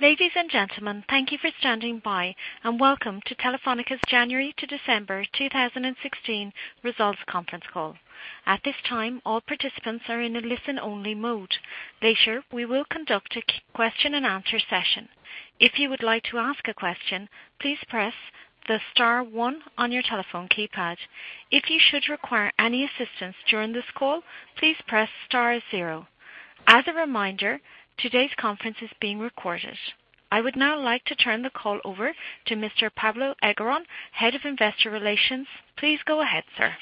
Ladies and gentlemen, thank you for standing by, and welcome to Telefónica's January to December 2016 results conference call. At this time, all participants are in a listen-only mode. Later, we will conduct a question and answer session. If you would like to ask a question, please press the star one on your telephone keypad. If you should require any assistance during this call, please press star zero. As a reminder, today's conference is being recorded. I would now like to turn the call over to Mr. Pablo Eguirón, Head of Investor Relations. Please go ahead, sir.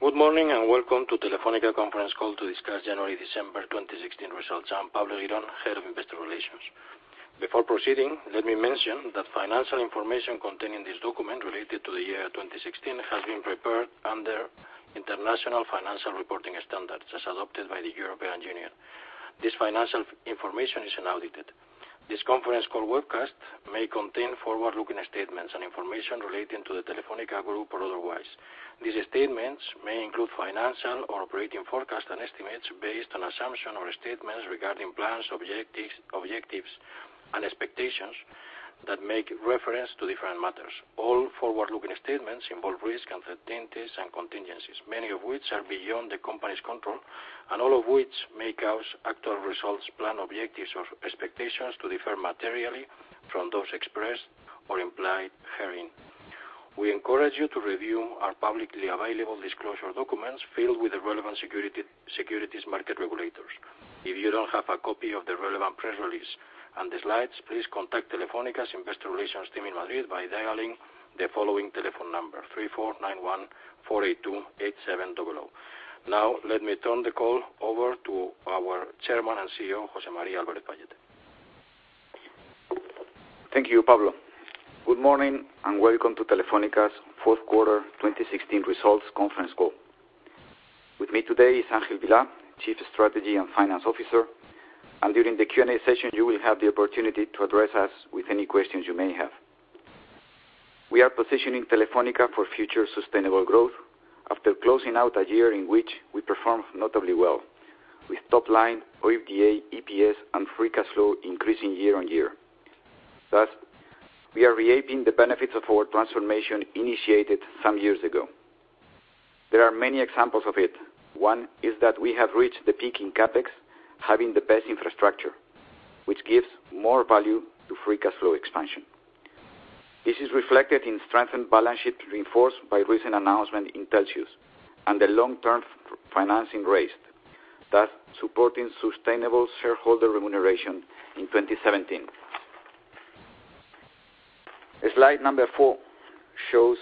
Good morning. Welcome to Telefónica conference call to discuss January to December 2016 results. I'm Pablo Eguirón, Head of Investor Relations. Before proceeding, let me mention that financial information contained in this document related to the year 2016 has been prepared under International Financial Reporting Standards as adopted by the European Union. This financial information is unaudited. This conference call webcast may contain forward-looking statements and information relating to the Telefónica Group or otherwise. These statements may include financial or operating forecasts and estimates based on assumption or statements regarding plans, objectives, and expectations that make reference to different matters. All forward-looking statements involve risks, uncertainties, and contingencies, many of which are beyond the company's control, and all of which may cause actual results, plan objectives, or expectations to differ materially from those expressed or implied herein. We encourage you to review our publicly available disclosure documents filed with the relevant securities market regulators. If you don't have a copy of the relevant press release and the slides, please contact Telefónica's Investor Relations Team in Madrid by dialing the following telephone number, 34914828700. Let me turn the call over to our Chairman and CEO, José María Álvarez-Pallete. Thank you, Pablo. Good morning. Welcome to Telefónica's fourth quarter 2016 results conference call. With me today is Ángel Vilá, Chief Strategy and Finance Officer. During the Q&A session, you will have the opportunity to address us with any questions you may have. We are positioning Telefónica for future sustainable growth after closing out a year in which we performed notably well, with top line OIBDA, EPS, and free cash flow increasing year-on-year. We are reaping the benefits of our transformation initiated some years ago. There are many examples of it. One is that we have reached the peak in CapEx, having the best infrastructure, which gives more value to free cash flow expansion. This is reflected in strengthened balance sheet reinforced by recent announcement in Telxius, the long-term financing raised, thus supporting sustainable shareholder remuneration in 2017. Slide number four shows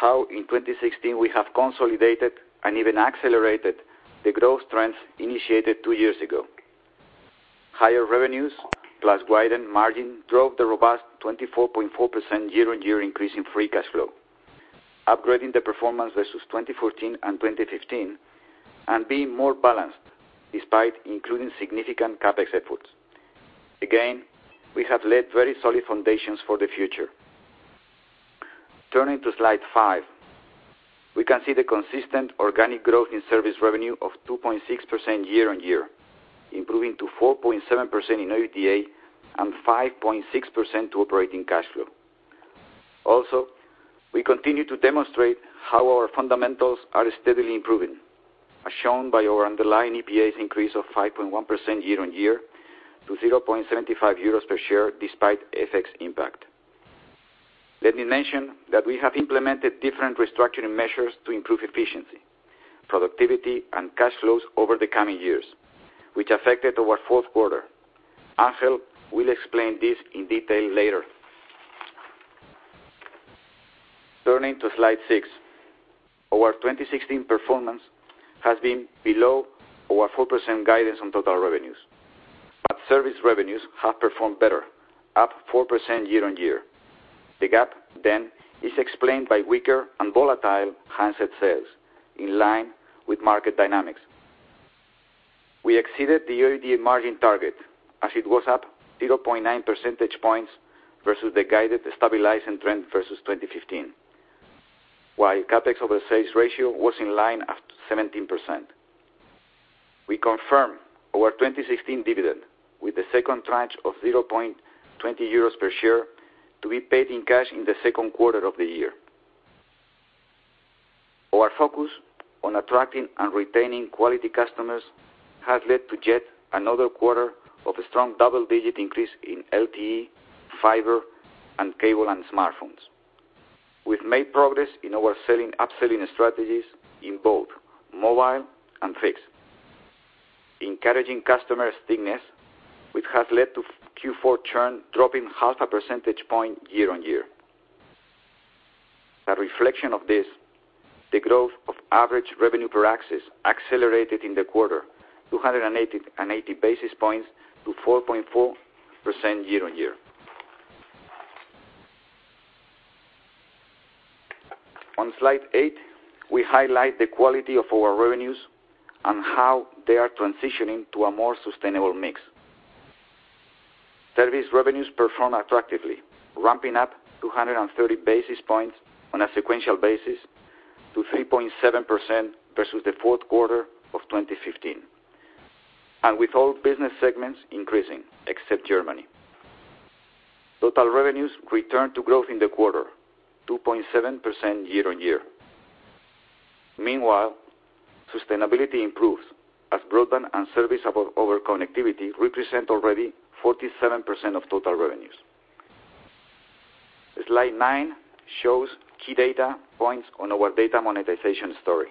how in 2016 we have consolidated and even accelerated the growth trends initiated two years ago. Higher revenues plus widened margin drove the robust 24.4% year-on-year increase in free cash flow, upgrading the performance versus 2014 and 2015 and being more balanced despite including significant CapEx efforts. Again, we have laid very solid foundations for the future. Turning to slide five, we can see the consistent organic growth in service revenue of 2.6% year-on-year, improving to 4.7% in OIBDA and 5.6% to operating cash flow. Also, we continue to demonstrate how our fundamentals are steadily improving, as shown by our underlying EPS increase of 5.1% year-on-year to 0.75 euros per share despite FX impact. Let me mention that we have implemented different restructuring measures to improve efficiency, productivity, and cash flows over the coming years, which affected our fourth quarter. Ángel will explain this in detail later. Turning to slide six. Our 2016 performance has been below our 4% guidance on total revenues. Service revenues have performed better, up 4% year-on-year. The gap then is explained by weaker and volatile handset sales in line with market dynamics. We exceeded the OIBDA margin target, as it was up 0.9 percentage points versus the guided stabilizing trend versus 2015. While CapEx over sales ratio was in line at 17%. We confirm our 2016 dividend with the second tranche of 0.20 euros per share to be paid in cash in the second quarter of the year. Our focus on attracting and retaining quality customers has led to yet another quarter of a strong double-digit increase in LTE, fiber, and cable and smartphones. We've made progress in our upselling strategies in both mobile and fixed. Encouraging customer stickiness, which has led to Q4 churn dropping half a percentage point year-on-year. A reflection of this, the growth of average revenue per access accelerated in the quarter 280 basis points to 4.4% year-on-year. On slide eight, we highlight the quality of our revenues and how they are transitioning to a more sustainable mix. Service revenues performed attractively, ramping up 230 basis points on a sequential basis to 3.7% versus the fourth quarter of 2015, and with all business segments increasing except Germany. Total revenues returned to growth in the quarter, 2.7% year-on-year. Meanwhile, sustainability improves as broadband and service over connectivity represent already 47% of total revenues. Slide nine shows key data points on our data monetization story.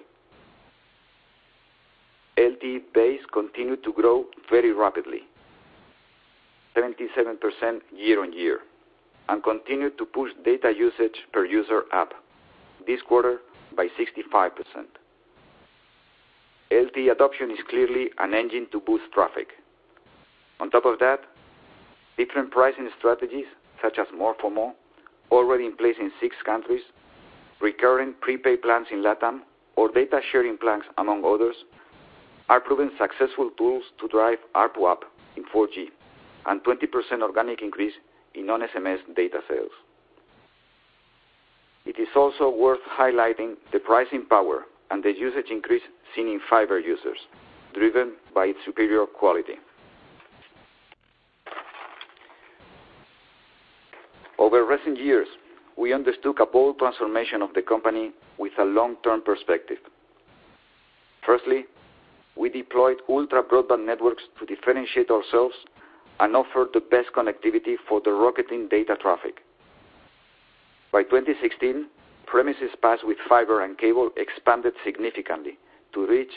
LTE base continued to grow very rapidly, 77% year-on-year, and continued to push data usage per user up, this quarter by 65%. LTE adoption is clearly an engine to boost traffic. On top of that, different pricing strategies such as More for More, already in place in six countries, recurring prepaid plans in LATAM or data sharing plans, among others, are proven successful tools to drive ARPU up in 4G and 20% organic increase in non-SMS data sales. It is also worth highlighting the pricing power and the usage increase seen in fiber users, driven by its superior quality. Over recent years, we undertook a bold transformation of the company with a long-term perspective. Firstly, we deployed ultra-broadband networks to differentiate ourselves and offer the best connectivity for the rocketing data traffic. By 2016, premises passed with fiber and cable expanded significantly to reach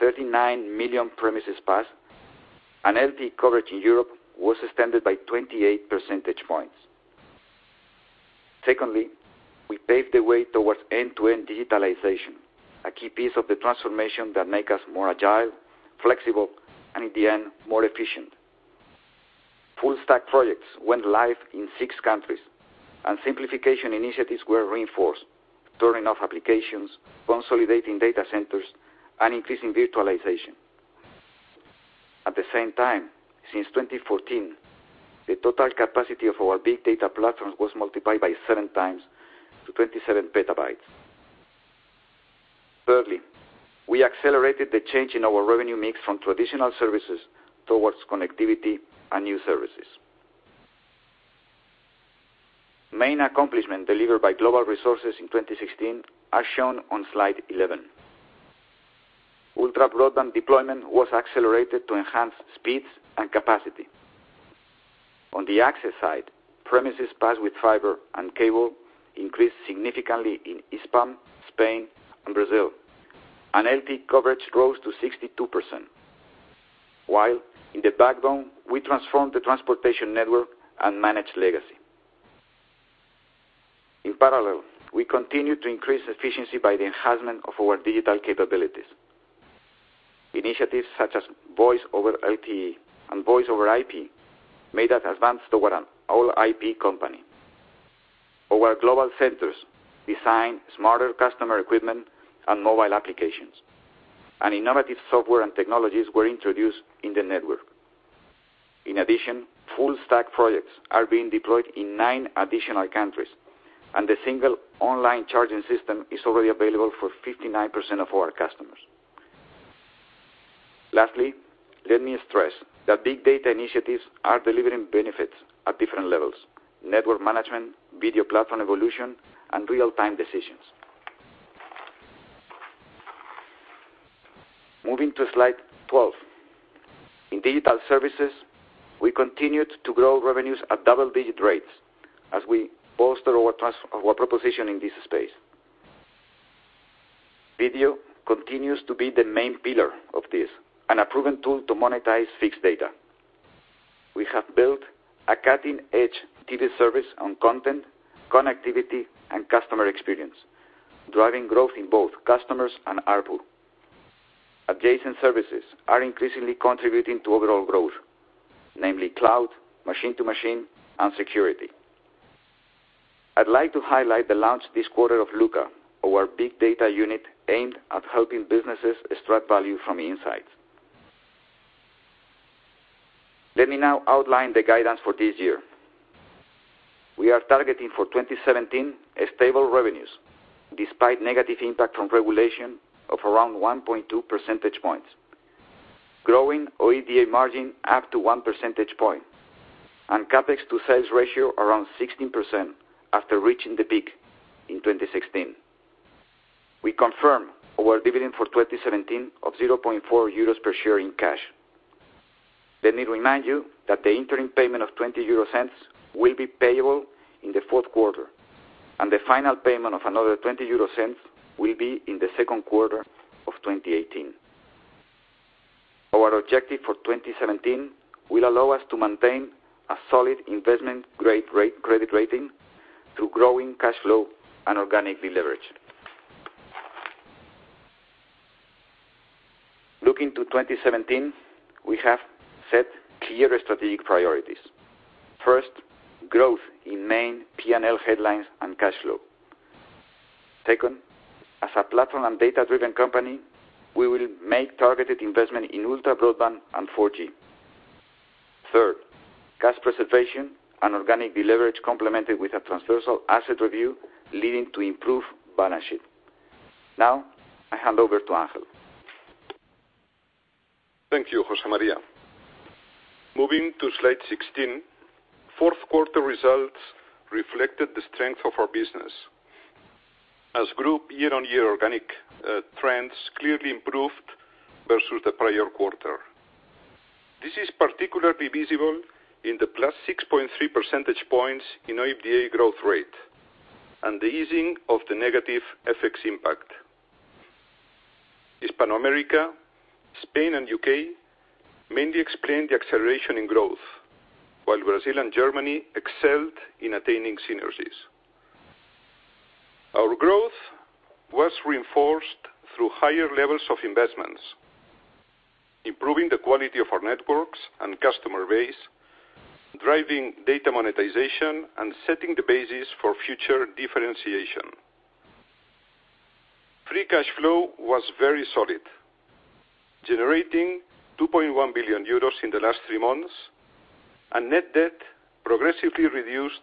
39 million premises passed, and LTE coverage in Europe was extended by 28 percentage points. Secondly, we paved the way towards end-to-end digitalization, a key piece of the transformation that make us more agile, flexible, and in the end, more efficient. Full stack projects went live in six countries, and simplification initiatives were reinforced, turning off applications, consolidating data centers, and increasing virtualization. At the same time, since 2014, the total capacity of our big data platforms was multiplied by seven times to 27 petabytes. Thirdly, we accelerated the change in our revenue mix from traditional services towards connectivity and new services. Main accomplishment delivered by global resources in 2016 are shown on slide 11. Ultra-broadband deployment was accelerated to enhance speeds and capacity. On the access side, premises passed with fiber and cable increased significantly in Spain and Brazil, and LTE coverage rose to 62%, while in the backbone, we transformed the transportation network and managed legacy. In parallel, we continued to increase efficiency by the enhancement of our digital capabilities. Initiatives such as Voice over LTE and Voice over IP made us advance toward an all-IP company. Our global centers designed smarter customer equipment and mobile applications, and innovative software and technologies were introduced in the network. In addition, full stack projects are being deployed in nine additional countries, and the single online charging system is already available for 59% of our customers. Lastly, let me stress that big data initiatives are delivering benefits at different levels: network management, video platform evolution, and real-time decisions. Moving to slide 12. In digital services, we continued to grow revenues at double-digit rates as we bolster our proposition in this space. Video continues to be the main pillar of this and a proven tool to monetize fixed data. We have built a cutting-edge TV service on content, connectivity, and customer experience, driving growth in both customers and ARPU. Adjacent services are increasingly contributing to overall growth, namely cloud, machine to machine, and security. I'd like to highlight the launch this quarter of LUCA, our big data unit aimed at helping businesses extract value from insights. Let me now outline the guidance for this year. We are targeting for 2017 stable revenues, despite negative impact from regulation of around 1.2 percentage points, growing OIBDA margin up to one percentage point, and CapEx to sales ratio around 16% after reaching the peak in 2016. We confirm our dividend for 2017 of 0.4 euros per share in cash. Let me remind you that the interim payment of 0.20 will be payable in the fourth quarter, and the final payment of another 0.20 will be in the second quarter of 2018. Our objective for 2017 will allow us to maintain a solid investment-grade credit rating through growing cash flow and organic deleverage. Looking to 2017, we have set clear strategic priorities. First, growth in main P&L headlines and cash flow. Second, as a platform and data-driven company, we will make targeted investment in ultra broadband and 4G. Third, cash preservation and organic deleverage complemented with a transversal asset review leading to improved balance sheet. Now, I hand over to Ángel. Thank you, José María. Moving to slide 16, fourth quarter results reflected the strength of our business. Group year-on-year organic trends clearly improved versus the prior quarter. This is particularly visible in the +6.3 percentage points in OIBDA growth rate and the easing of the negative FX impact. Hispanoamérica, Spain, and U.K. mainly explain the acceleration in growth, while Brazil and Germany excelled in attaining synergies. Our growth was reinforced through higher levels of investments, improving the quality of our networks and customer base, driving data monetization, and setting the basis for future differentiation. Free cash flow was very solid, generating 2.1 billion euros in the last three months, and net debt progressively reduced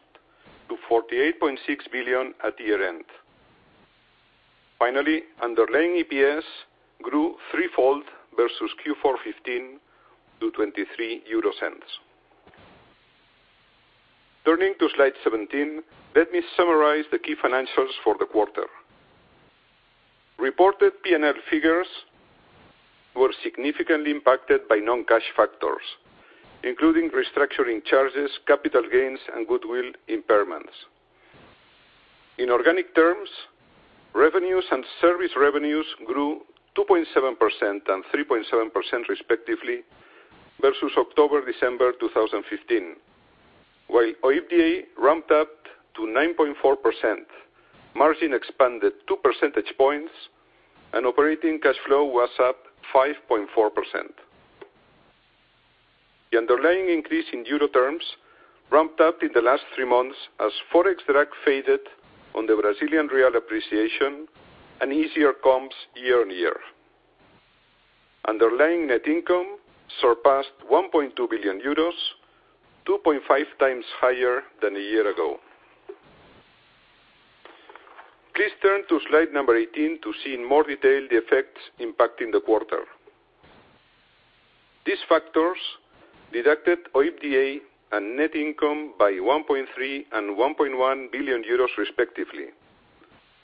to 48.6 billion at year-end. Finally, underlying EPS grew threefold versus Q4 2015 to 0.23. Turning to slide 17, let me summarize the key financials for the quarter. Reported P&L figures were significantly impacted by non-cash factors, including restructuring charges, capital gains, and goodwill impairments. In organic terms, revenues and service revenues grew 2.7% and 3.7% respectively versus October-December 2015, while OIBDA ramped up to 9.4%. Margin expanded two percentage points and operating cash flow was up 5.4%. The underlying increase in EUR terms ramped up in the last three months as Forex drag faded on the Brazilian real appreciation and easier comps year-on-year. Underlying net income surpassed 1.2 billion euros, 2.5 times higher than a year ago. Please turn to slide number 18 to see in more detail the effects impacting the quarter. These factors deducted OIBDA and net income by 1.3 billion and 1.1 billion euros, respectively,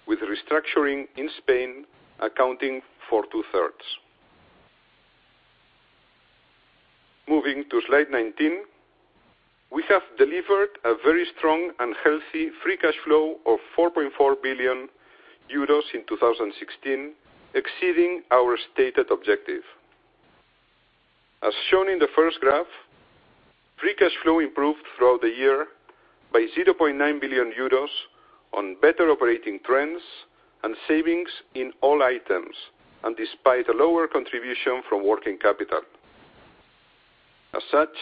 with restructuring in Spain accounting for two-thirds. Moving to slide 19, we have delivered a very strong and healthy free cash flow of 4.4 billion euros in 2016, exceeding our stated objective. As shown in the first graph, free cash flow improved throughout the year by 0.9 billion euros on better operating trends and savings in all items, and despite a lower contribution from working capital. As such,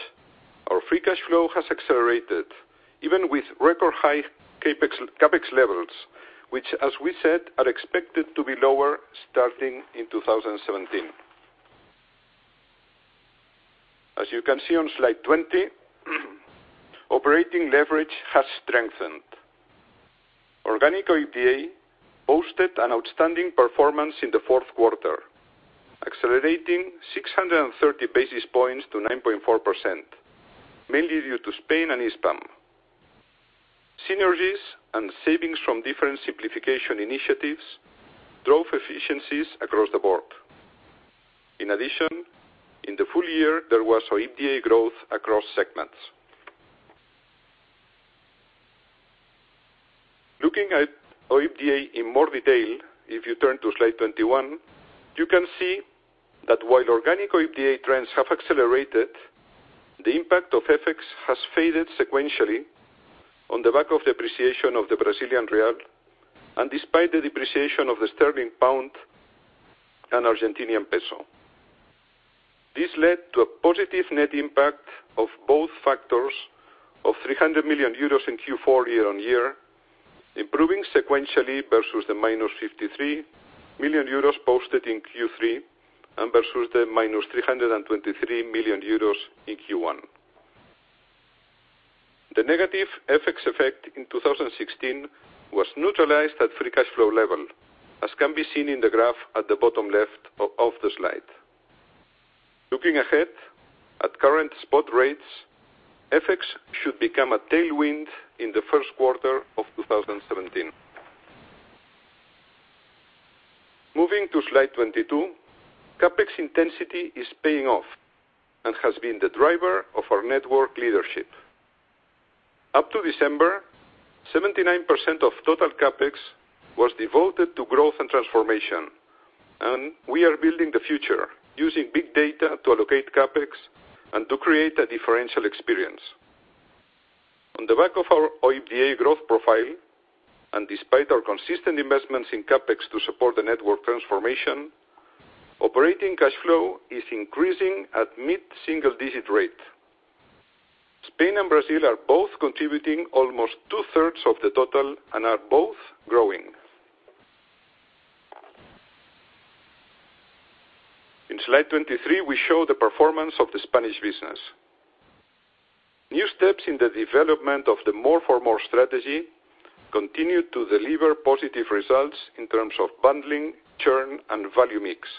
our free cash flow has accelerated even with record high CapEx levels, which as we said, are expected to be lower starting in 2017. As you can see on slide 20, operating leverage has strengthened. Organic OIBDA posted an outstanding performance in the fourth quarter, accelerating 630 basis points to 9.4%, mainly due to Spain and Hispam. Synergies and savings from different simplification initiatives drove efficiencies across the board. In the full year, there was OIBDA growth across segments. Looking at OIBDA in more detail, if you turn to slide 21, you can see that while organic OIBDA trends have accelerated, the impact of FX has faded sequentially on the back of depreciation of the Brazilian real, and despite the depreciation of the sterling pound and Argentinian peso. This led to a positive net impact of both factors of 300 million euros in Q4 year-on-year, improving sequentially versus the -53 million euros posted in Q3 and versus the -323 million euros in Q1. The negative FX effect in 2016 was neutralized at free cash flow level, as can be seen in the graph at the bottom left of the slide. Looking ahead at current spot rates, FX should become a tailwind in the first quarter of 2017. Moving to slide 22, CapEx intensity is paying off and has been the driver of our network leadership. Up to December, 79% of total CapEx was devoted to growth and transformation. We are building the future using big data to allocate CapEx and to create a differential experience. On the back of our OIBDA growth profile, and despite our consistent investments in CapEx to support the network transformation, operating cash flow is increasing at mid-single digit rate. Spain and Brazil are both contributing almost two-thirds of the total and are both growing. In slide 23, we show the performance of the Spanish business. New steps in the development of the More for More strategy continue to deliver positive results in terms of bundling, churn, and value mix.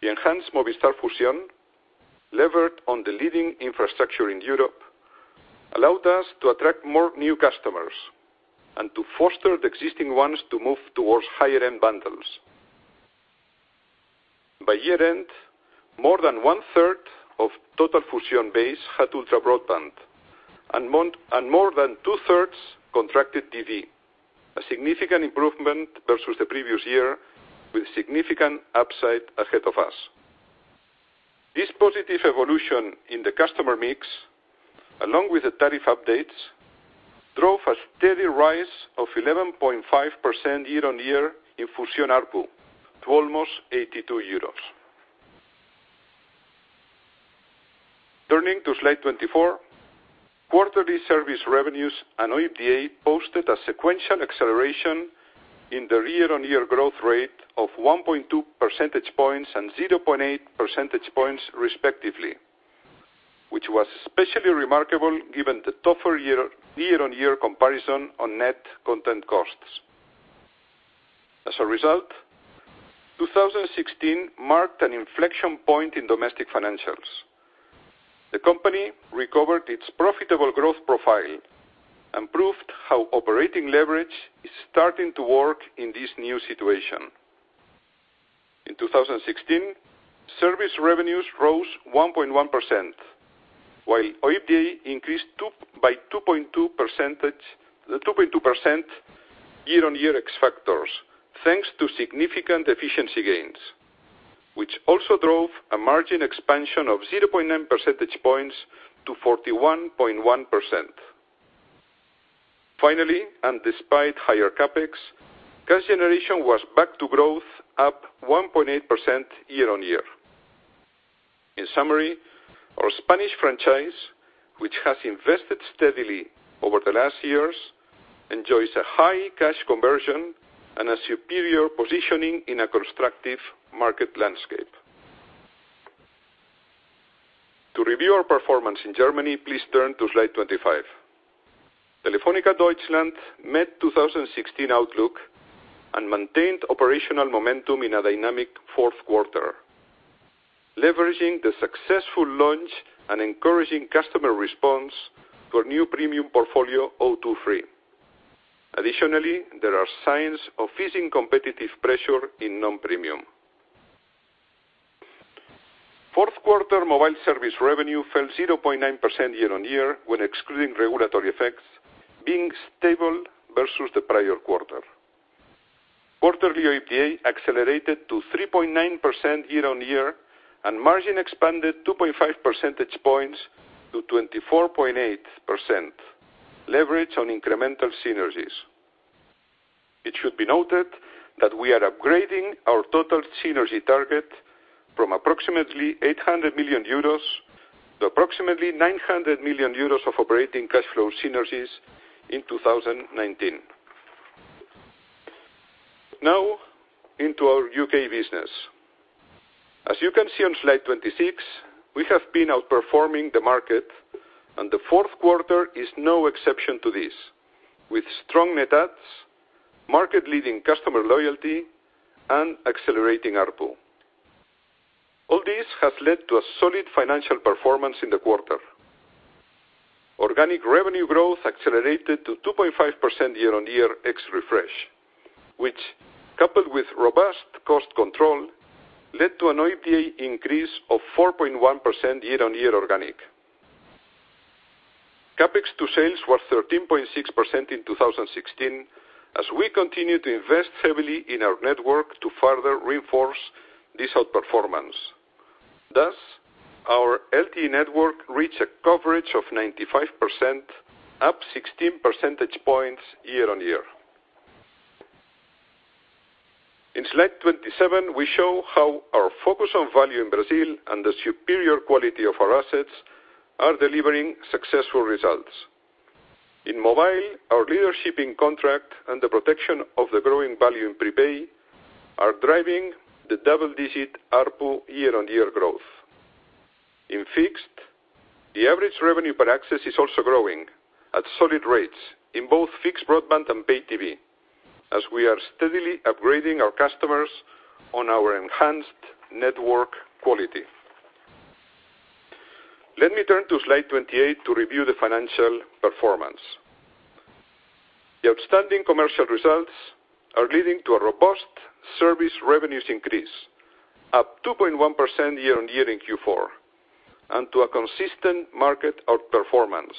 The enhanced Movistar Fusión, levered on the leading infrastructure in Europe, allowed us to attract more new customers and to foster the existing ones to move towards higher-end bundles. By year-end, more than one-third of total Fusión base had ultra broadband and more than two-thirds contracted TV. A significant improvement versus the previous year, with significant upside ahead of us. This positive evolution in the customer mix, along with the tariff updates, drove a steady rise of 11.5% year-on-year in Fusión ARPU to almost EUR 82. Turning to slide 24, quarterly service revenues and OIBDA posted a sequential acceleration in the year-on-year growth rate of 1.2 percentage points and 0.8 percentage points respectively, which was especially remarkable given the tougher year-on-year comparison on net content costs. 2016 marked an inflection point in domestic financials. The company recovered its profitable growth profile and proved how operating leverage is starting to work in this new situation. In 2016, service revenues rose 1.1%, while OIBDA increased by 2.2% year-on-year ex factors, thanks to significant efficiency gains, which also drove a margin expansion of 0.9 percentage points to 41.1%. Despite higher CapEx, cash generation was back to growth, up 1.8% year-on-year. Our Spanish franchise, which has invested steadily over the last years, enjoys a high cash conversion and a superior positioning in a constructive market landscape. To review our performance in Germany, please turn to slide 25. Telefónica Deutschland met 2016 outlook and maintained operational momentum in a dynamic fourth quarter, leveraging the successful launch and encouraging customer response to a new premium portfolio, O2 Free. There are signs of fizzing competitive pressure in non-premium. Fourth quarter mobile service revenue fell 0.9% year-on-year when excluding regulatory effects, being stable versus the prior quarter. Quarterly OIBDA accelerated to 3.9% year-on-year, and margin expanded 2.5 percentage points to 24.8%, leverage on incremental synergies. It should be noted that we are upgrading our total synergy target from approximately 800 million euros to approximately 900 million euros of operating cash flow synergies in 2019. Into our U.K. business. As you can see on slide 26, we have been outperforming the market, and the fourth quarter is no exception to this with strong net adds, market-leading customer loyalty, and accelerating ARPU. All this has led to a solid financial performance in the quarter. Organic revenue growth accelerated to 2.5% year-on-year ex refresh, which coupled with robust cost control, led to an OIBDA increase of 4.1% year-on-year organic. CapEx to sales was 13.6% in 2016, as we continue to invest heavily in our network to further reinforce this outperformance. Our LTE network reached a coverage of 95%, up 16 percentage points year-on-year. In slide 27, we show how our focus on value in Brazil and the superior quality of our assets are delivering successful results. In mobile, our leadership in contract and the protection of the growing value in prepaid are driving the double-digit ARPU year-on-year growth. In fixed, the average revenue per access is also growing at solid rates in both fixed broadband and pay TV, as we are steadily upgrading our customers on our enhanced network quality. Let me turn to slide 28 to review the financial performance. The outstanding commercial results are leading to a robust service revenues increase, up 2.1% year-on-year in Q4, and to a consistent market outperformance,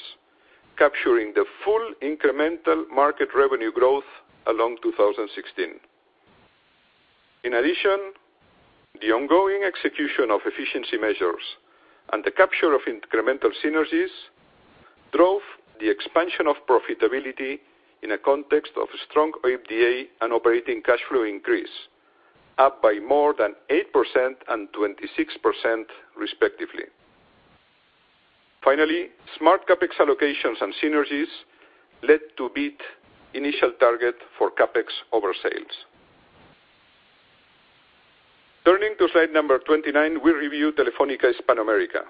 capturing the full incremental market revenue growth along 2016. The ongoing execution of efficiency measures and the capture of incremental synergies drove the expansion of profitability in a context of strong OIBDA and operating cash flow increase, up by more than 8% and 26% respectively. Finally, smart CapEx allocations and synergies led to beat initial target for CapEx over sales. Turning to slide number 29, we review Telefónica Hispanoamérica.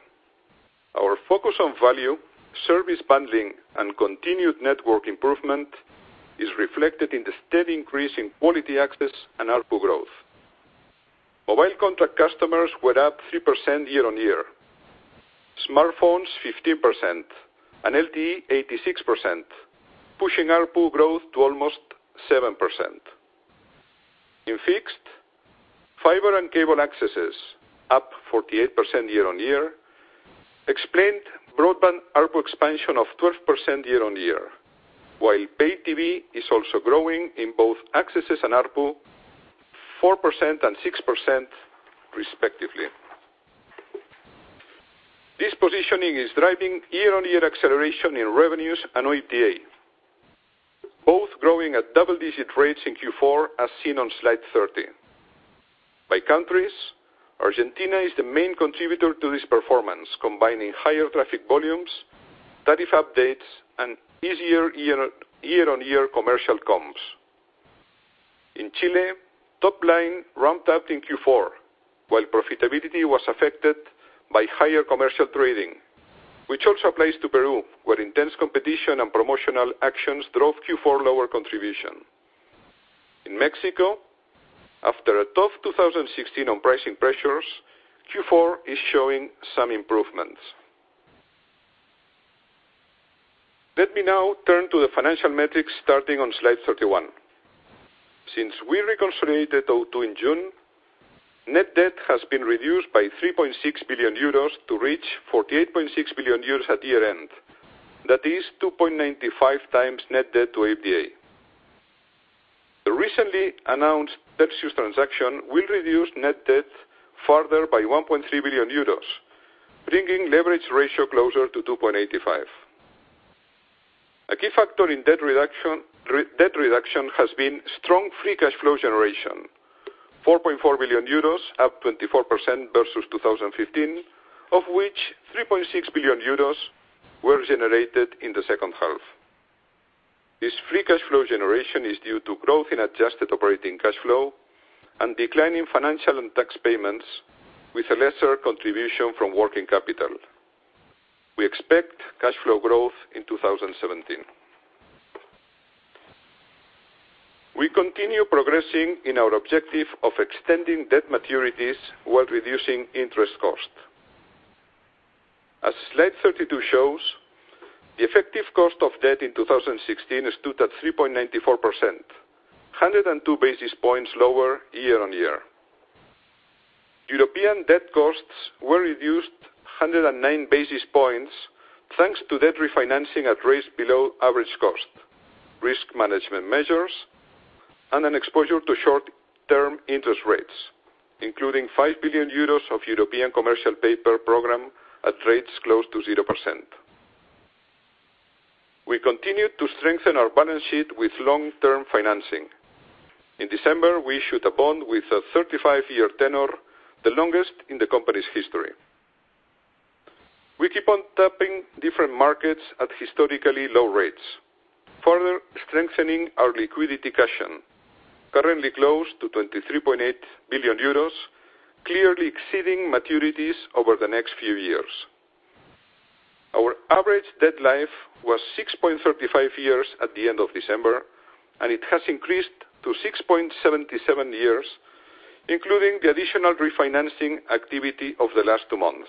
Our focus on value, service bundling, and continued network improvement is reflected in the steady increase in quality access and ARPU growth. Mobile contract customers were up 3% year-on-year, smartphones 15%, and LTE 86%, pushing ARPU growth to almost 7%. In fixed, fiber and cable accesses up 48% year-on-year explained broadband ARPU expansion of 12% year-on-year, while pay TV is also growing in both accesses and ARPU 4% and 6% respectively. This positioning is driving year-on-year acceleration in revenues and OIBDA, both growing at double-digit rates in Q4 as seen on slide 30. By countries, Argentina is the main contributor to this performance, combining higher traffic volumes, tariff updates, and easier year-on-year commercial comps. In Chile, top line ramped up in Q4, while profitability was affected by higher commercial trading, which also applies to Peru, where intense competition and promotional actions drove Q4 lower contribution. In Mexico, after a tough 2016 on pricing pressures, Q4 is showing some improvements. Let me now turn to the financial metrics starting on slide 31. Since we reconsolidated O2 in June, net debt has been reduced by 3.6 billion euros to reach 48.6 billion euros at year-end. That is 2.95 times net debt to OIBDA. The recently announced Perseus transaction will reduce net debt further by 1.3 billion euros, bringing leverage ratio closer to 2.85. A key factor in debt reduction has been strong free cash flow generation, 4.4 billion euros up 24% versus 2015, of which 3.6 billion euros were generated in the second half. This free cash flow generation is due to growth in adjusted operating cash flow and decline in financial and tax payments with a lesser contribution from working capital. We expect cash flow growth in 2017. We continue progressing in our objective of extending debt maturities while reducing interest cost. As slide 32 shows, the effective cost of debt in 2016 stood at 3.94%, 102 basis points lower year-on-year. European debt costs were reduced 109 basis points, thanks to debt refinancing at rates below average cost, risk management measures, and an exposure to short-term interest rates, including 5 billion euros of European commercial paper program at rates close to 0%. We continued to strengthen our balance sheet with long-term financing. In December, we issued a bond with a 35-year tenor, the longest in the company's history. We keep on tapping different markets at historically low rates, further strengthening our liquidity cushion, currently close to 23.8 billion euros, clearly exceeding maturities over the next few years. Our average debt life was 6.35 years at the end of December, and it has increased to 6.77 years, including the additional refinancing activity of the last two months.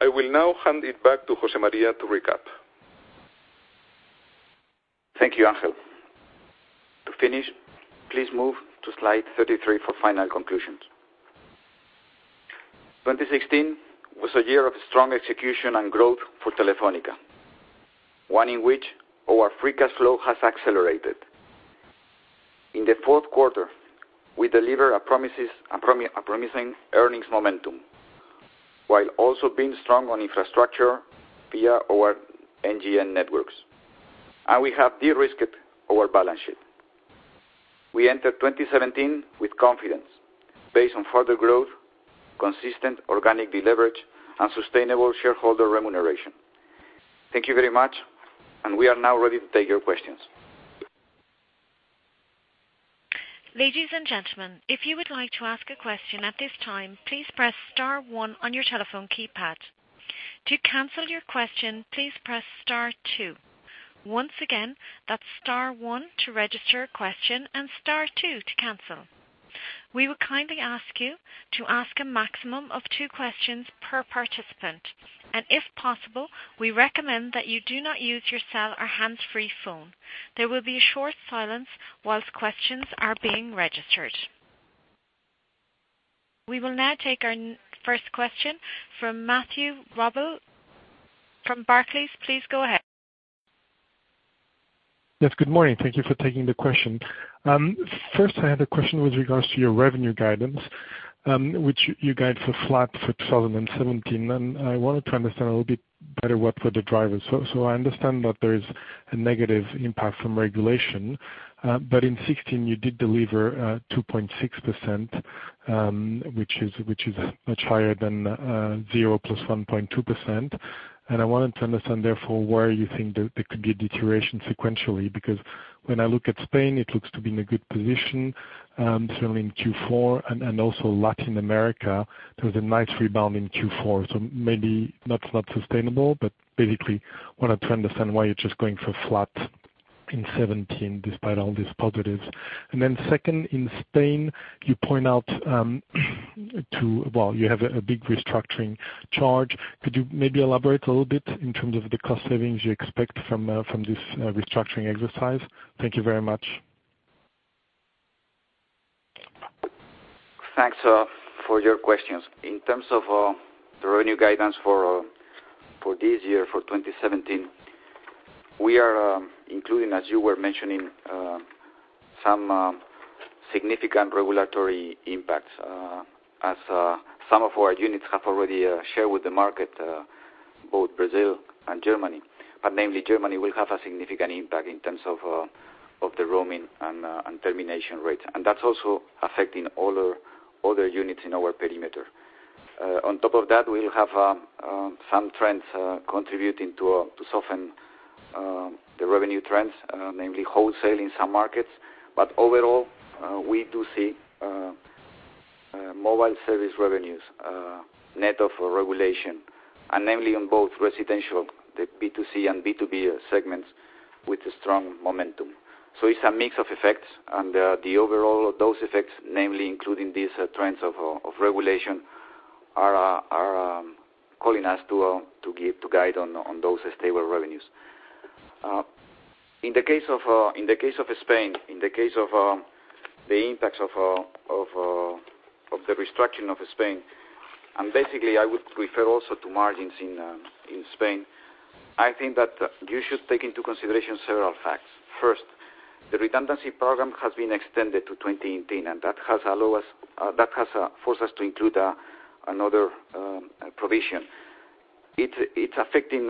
I will now hand it back to José María to recap. Thank you, Ángel. To finish, please move to slide 33 for final conclusions. 2016 was a year of strong execution and growth for Telefónica, one in which our free cash flow has accelerated. In the fourth quarter, we delivered a promising earnings momentum, while also being strong on infrastructure via our NGN networks. We have de-risked our balance sheet. We enter 2017 with confidence based on further growth, consistent organic deleverage, and sustainable shareholder remuneration. Thank you very much. We are now ready to take your questions. Ladies and gentlemen, if you would like to ask a question at this time, please press star one on your telephone keypad. To cancel your question, please press star two. Once again, that's star one to register a question and star two to cancel. We would kindly ask you to ask a maximum of two questions per participant. If possible, we recommend that you do not use your cell or hands-free phone. There will be a short silence whilst questions are being registered. We will now take our first question from Mathieu Robilliard from Barclays. Please go ahead. Yes, good morning. Thank you for taking the question. First, I had a question with regards to your revenue guidance, which you guide for flat for 2017. I wanted to understand a little bit better what were the drivers. I understand that there is a negative impact from regulation. But in 2016, you did deliver 2.6%, which is much higher than 0% plus 1.2%. I wanted to understand, therefore, why you think there could be a deterioration sequentially, because when I look at Spain, it looks to be in a good position, certainly in Q4 and also Latin America. There was a nice rebound in Q4. Maybe that's not sustainable. Basically, wanted to understand why you're just going for flat in 2017 despite all these positives. Then second, in Spain, you point out, well, you have a big restructuring charge. Could you maybe elaborate a little bit in terms of the cost savings you expect from this restructuring exercise? Thank you very much. Thanks for your questions. In terms of the revenue guidance for this year, for 2017, we are including, as you were mentioning, some significant regulatory impacts. As some of our units have already shared with the market, both Brazil and Germany. Namely, Germany will have a significant impact in terms of the roaming and termination rate, and that's also affecting other units in our perimeter. On top of that, we have some trends contributing to soften the revenue trends, namely wholesale in some markets. Overall, we do see mobile service revenues net of regulation, and namely on both residential, the B2C and B2B segments with a strong momentum. It's a mix of effects and the overall of those effects, namely including these trends of regulation, are calling us to guide on those stable revenues. In the case of Spain, in the case of the impacts of the restructuring of Spain, basically, I would refer also to margins in Spain. I think that you should take into consideration several facts. First, the redundancy program has been extended to 2018, that has forced us to include another provision. It's affecting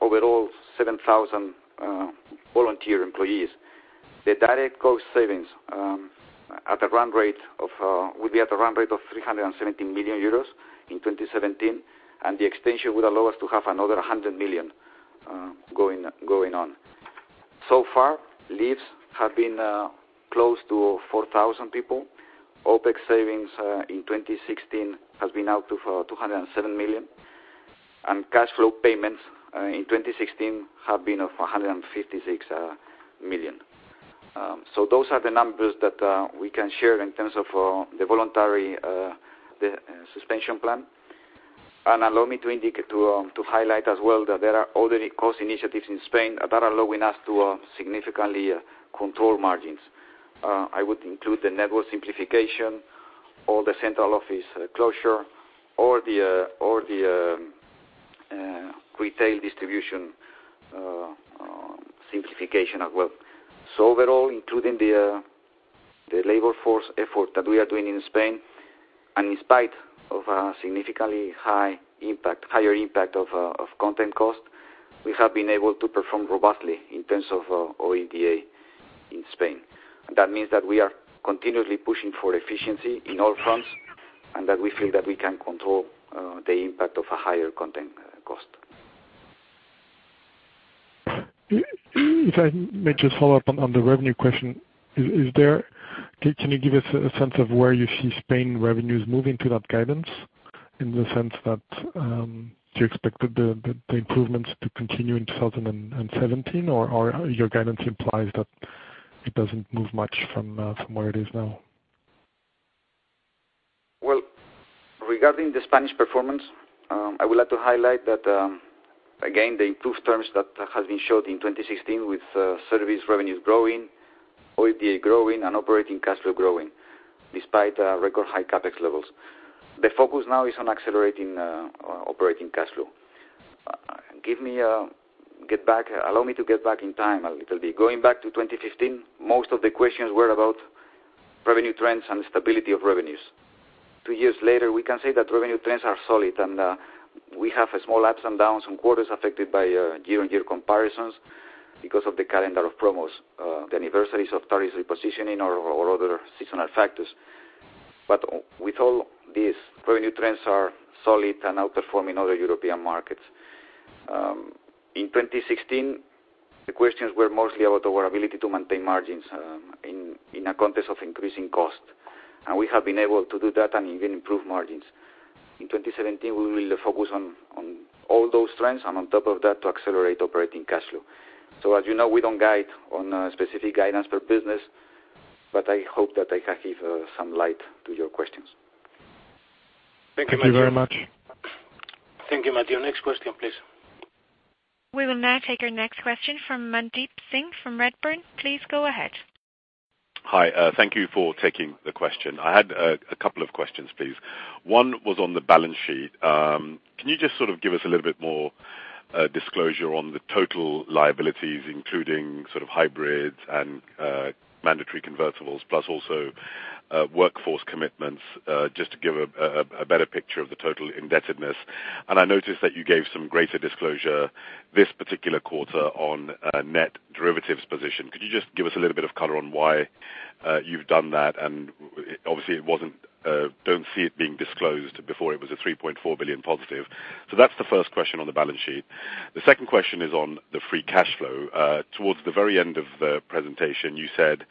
overall 7,000 volunteer employees. The direct cost savings will be at a run rate of 317 million euros in 2017, and the extension will allow us to have another 100 million going on. So far, leaves have been close to 4,000 people. OpEx savings in 2016 has been out of 207 million, and cash flow payments in 2016 have been 156 million. Those are the numbers that we can share in terms of the voluntary suspension plan. Allow me to highlight as well that there are already cost initiatives in Spain that are allowing us to significantly control margins. I would include the network simplification or the central office closure or the retail distribution simplification as well. Overall, including the labor force effort that we are doing in Spain, in spite of a significantly higher impact of content cost, we have been able to perform robustly in terms of OIBDA in Spain. That means that we are continuously pushing for efficiency in all fronts, that we feel that we can control the impact of a higher content cost. If I may just follow up on the revenue question, can you give us a sense of where you see Spain revenues moving to that guidance in the sense that you expected the improvements to continue in 2017, or your guidance implies that it doesn't move much from where it is now? Well, regarding the Spanish performance, I would like to highlight that, again, the improved terms that have been showed in 2016 with service revenues growing, OIBDA growing, and operating cash flow growing despite record high CapEx levels. The focus now is on accelerating operating cash flow. Allow me to get back in time a little bit. Going back to 2015, most of the questions were about revenue trends and stability of revenues. Two years later, we can say that revenue trends are solid, and we have small ups and downs and quarters affected by year-on-year comparisons because of the calendar of promos, the anniversaries of tariffs repositioning or other seasonal factors. With all this, revenue trends are solid and outperforming other European markets. In 2016, the questions were mostly about our ability to maintain margins in a context of increasing cost, and we have been able to do that and even improve margins. In 2017, we will focus on all those trends and on top of that, to accelerate operating cash flow. As you know, we don't guide on specific guidance per business, but I hope that I can give some light to your questions. Thank you very much. Thank you, Mathieu. Next question, please. We will now take our next question from Mandeep Singh from Redburn. Please go ahead. Hi. Thank you for taking the question. I had a couple of questions, please. One was on the balance sheet. Can you just give us a little bit more disclosure on the total liabilities, including hybrids and mandatory convertibles, plus also workforce commitments, just to give a better picture of the total indebtedness. I noticed that you gave some greater disclosure this particular quarter on net derivatives position. Could you just give us a little bit of color on why you've done that? Obviously, don't see it being disclosed before it was a 3.4 billion positive. That's the first question on the balance sheet. The second question is on the free cash flow. Towards the very end of the presentation, you said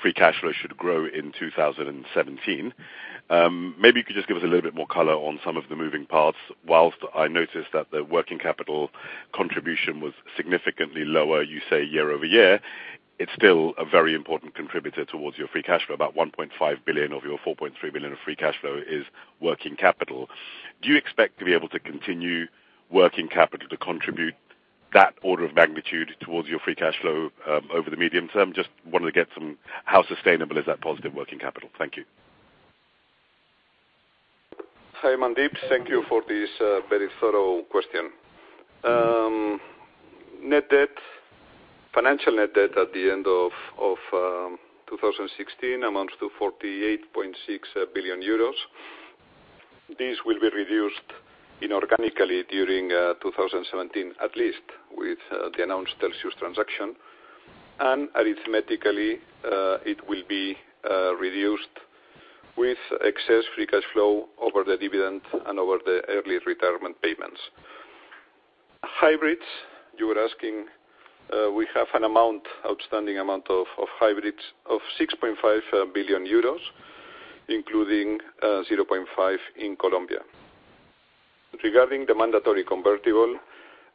free cash flow should grow in 2017. Maybe you could just give us a little bit more color on some of the moving parts. Whilst I noticed that the working capital contribution was significantly lower, you say year-over-year, it's still a very important contributor towards your free cash flow. About 1.5 billion of your 4.3 billion of free cash flow is working capital. Do you expect to be able to continue working capital to contribute that order of magnitude towards your free cash flow over the medium term? Just to get how sustainable is that positive working capital. Thank you. Hi, Mandeep. Thank you for this very thorough question. Net debt, financial net debt at the end of 2016 amounts to 48.6 billion euros. This will be reduced inorganically during 2017, at least, with the announced Telxius transaction. Arithmetically, it will be reduced with excess free cash flow over the dividend and over the early retirement payments. Hybrids, you were asking, we have an outstanding amount of hybrids of 6.5 billion euros, including 0.5 in Colombia. Regarding the mandatory convertible,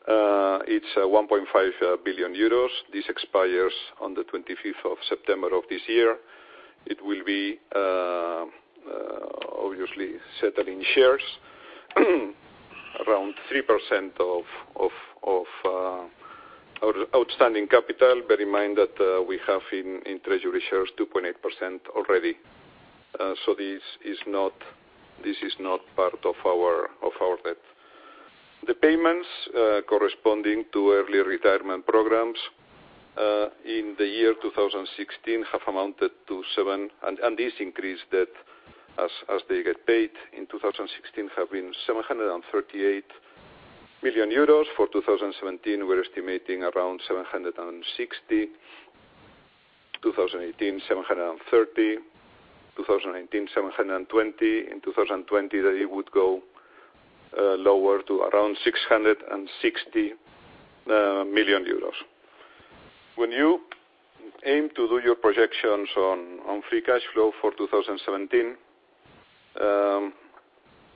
it's 1.5 billion euros. This expires on the 25th of September of this year. It will be obviously settled in shares around 3% of our outstanding capital. Bear in mind that we have in treasury shares 2.8% already. This is not part of our debt. The payments corresponding to early retirement programs in the year 2016 have amounted to seven, and this increased debt as they get paid in 2016, have been 738 million euros. For 2017, we're estimating around 760. 2018, 730. 2019, 720. In 2020, that it would go lower to around 660 million euros. When you aim to do your projections on free cash flow for 2017,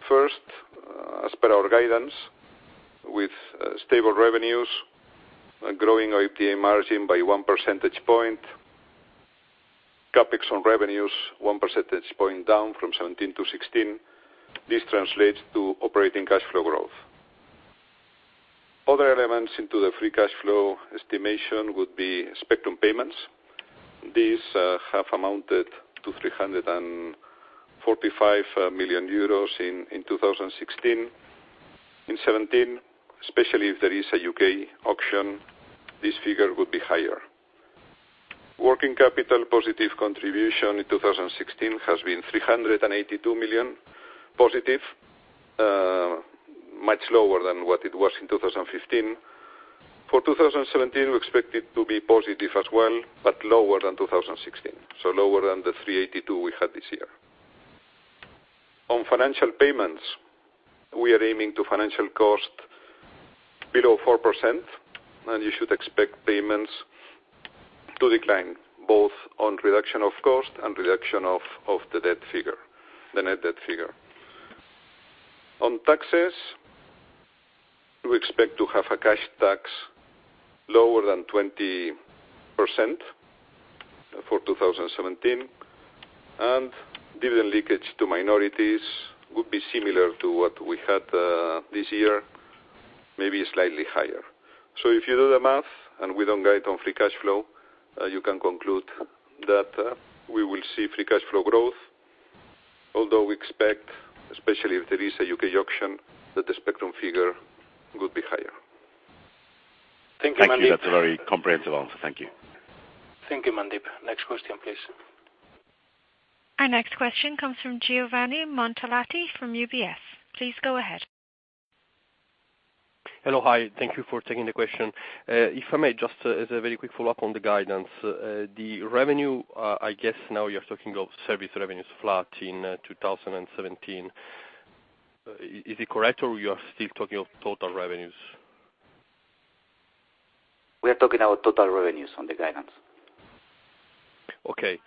first, as per our guidance, with stable revenues, growing our EBITDA margin by one percentage point, CapEx on revenues one percentage point down from 2017 to 2016. This translates to operating cash flow growth. Other elements into the free cash flow estimation would be spectrum payments. These have amounted to 345 million euros in 2016. In 2017, especially if there is a U.K. auction, this figure would be higher. Working capital positive contribution in 2016 has been 382 million positive, much lower than what it was in 2015. For 2017, we expect it to be positive as well, but lower than 2016, lower than the 382 we had this year. On financial payments, we are aiming to financial cost below 4%, you should expect payments to decline, both on reduction of cost and reduction of the net debt figure. On taxes, we expect to have a cash tax lower than 20% for 2017, dividend leakage to minorities would be similar to what we had this year, maybe slightly higher. If you do the math, we don't guide on free cash flow, you can conclude that we will see free cash flow growth, although we expect, especially if there is a U.K. auction, that the spectrum figure would be higher. Thank you, Mandeep. Thank you. That's a very comprehensive answer. Thank you. Thank you, Mandeep. Next question, please. Our next question comes from Giovanni Montalti from UBS. Please go ahead. Hello. Hi. Thank you for taking the question. If I may, just as a very quick follow-up on the guidance, the revenue, I guess now you're talking of service revenues flat in 2017. Is it correct, or you are still talking of total revenues? We are talking about total revenues on the guidance. Okay.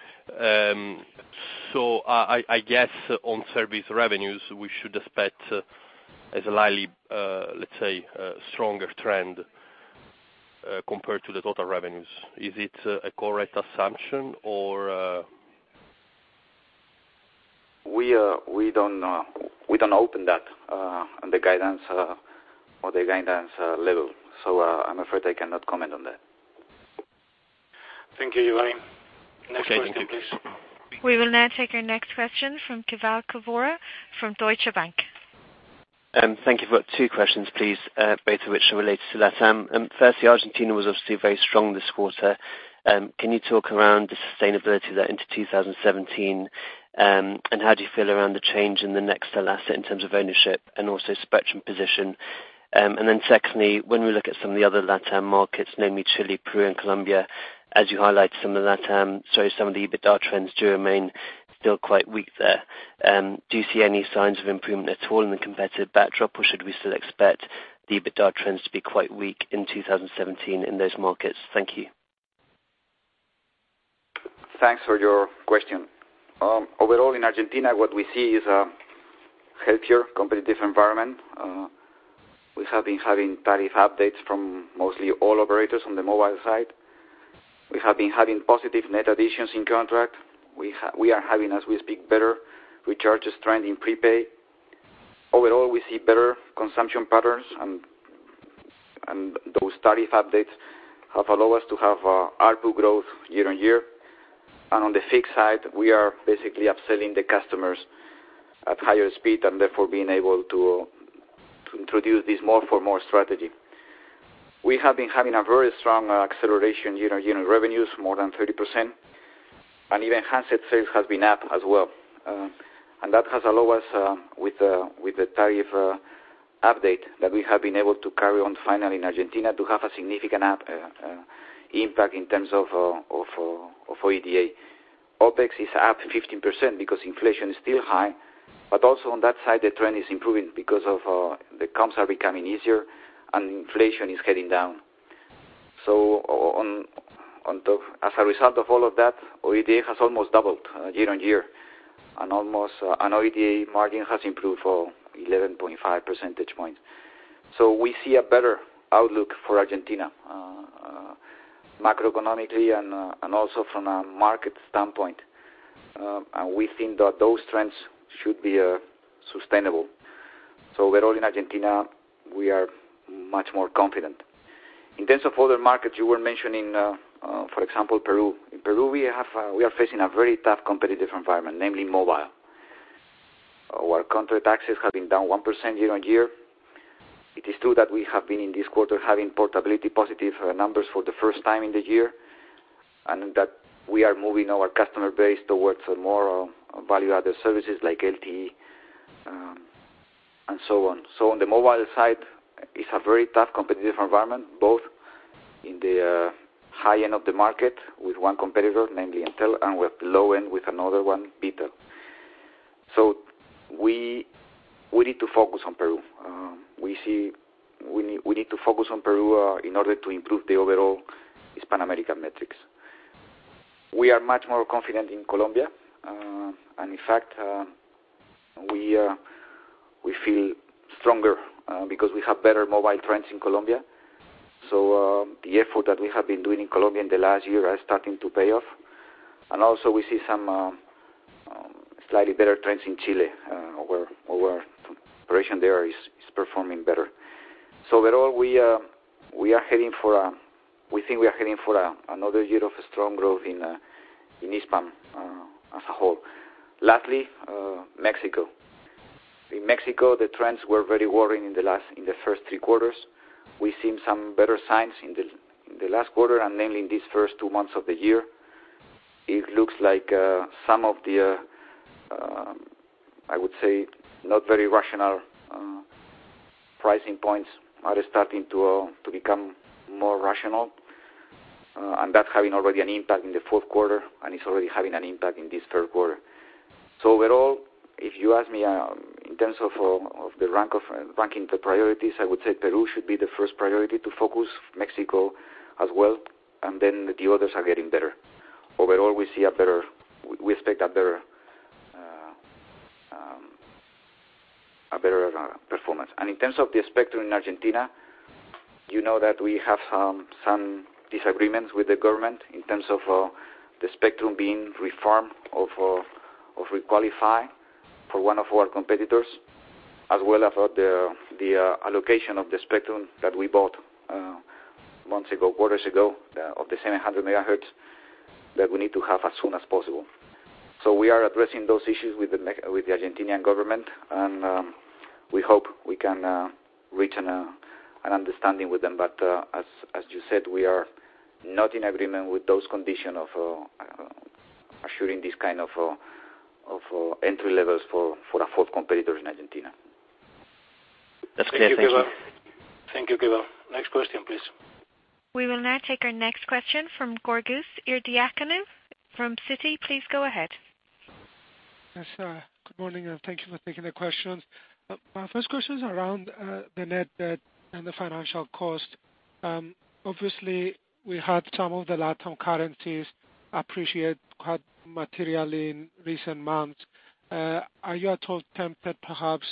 I guess on service revenues, we should expect a slightly, let's say, stronger trend compared to the total revenues. Is it a correct assumption or? We don't open that on the guidance level. I'm afraid I cannot comment on that. Thank you, Giovanni. Next question, please. Okay, thank you. We will now take our next question from Keval Khiroya from Deutsche Bank. Thank you for that. Two questions, please, both of which are related to LatAm. Firstly, Argentina was obviously very strong this quarter. Can you talk around the sustainability of that into 2017? How do you feel around the change in the Nextel asset in terms of ownership and also spectrum position? Secondly, when we look at some of the other LatAm markets, namely Chile, Peru, and Colombia, as you highlight, some of the EBITDA trends do remain still quite weak there. Do you see any signs of improvement at all in the competitive backdrop, or should we still expect the EBITDA trends to be quite weak in 2017 in those markets? Thank you. Thanks for your question. Overall, in Argentina, what we see is a healthier competitive environment. We have been having tariff updates from mostly all operators on the mobile side. We have been having positive net additions in contract. We are having, as we speak, better recharge trend in prepaid. Overall, we see better consumption patterns, and those tariff updates have allowed us to have ARPU growth year-on-year. On the fixed side, we are basically upselling the customers at higher speed and therefore being able to introduce this more for more strategy. We have been having a very strong acceleration year-on-year in revenues, more than 30%, and even handset sales have been up as well. That has allowed us, with the tariff update, that we have been able to carry on finally in Argentina to have a significant impact in terms of OIBDA. OpEx is up 15% because inflation is still high. Also on that side, the trend is improving because the comps are becoming easier, and inflation is heading down. As a result of all of that, OIBDA has almost doubled year-on-year, and OIBDA margin has improved for 11.5 percentage points. We see a better outlook for Argentina, macroeconomically and also from a market standpoint. We think that those trends should be sustainable. Overall in Argentina, we are much more confident. In terms of other markets, you were mentioning, for example, Peru. In Peru, we are facing a very tough competitive environment, namely mobile, where contract access has been down 1% year-on-year. It is true that we have been, in this quarter, having portability positive numbers for the first time in the year, and that we are moving our customer base towards more value-added services like LTE and so on. On the mobile side, it's a very tough competitive environment, both in the high end of the market with one competitor, namely Entel, and with low end with another one, Bitel. We need to focus on Peru. We need to focus on Peru in order to improve the overall Telefónica Hispanoamérica metrics. We are much more confident in Colombia. In fact, we feel stronger because we have better mobile trends in Colombia. The effort that we have been doing in Colombia in the last year are starting to pay off. Also we see some slightly better trends in Chile, where our operation there is performing better. Overall, we think we are heading for another year of strong growth in Hispam as a whole. Lastly, Mexico. In Mexico, the trends were very worrying in the first three quarters. We've seen some better signs in the last quarter and mainly in these first two months of the year. It looks like some of the, I would say, not very rational pricing points are starting to become more rational. That's having already an impact in the fourth quarter, and it's already having an impact in this first quarter. Overall, if you ask me in terms of ranking the priorities, I would say Peru should be the first priority to focus, Mexico as well, and then the others are getting better. Overall, we expect a better performance. In terms of the spectrum in Argentina, you know that we have some disagreements with the government in terms of the spectrum being reformed or re-qualified for one of our competitors, as well as the allocation of the spectrum that we bought months ago, quarters ago, of the 700 MHz that we need to have as soon as possible. We are addressing those issues with the Argentinian government, and we hope we can reach an understanding with them. As you said, we are not in agreement with those condition of assuring this kind of entry levels for a fourth competitor in Argentina. That's clear. Thank you. Thank you, Keval. Next question, please. We will now take our next question from Georgios Ierodiaconou from Citi. Please go ahead. Yes, good morning, and thank you for taking the questions. My first question is around the net debt and the financial cost. Obviously, we had some of the LatAm currencies appreciate quite materially in recent months. Are you at all tempted, perhaps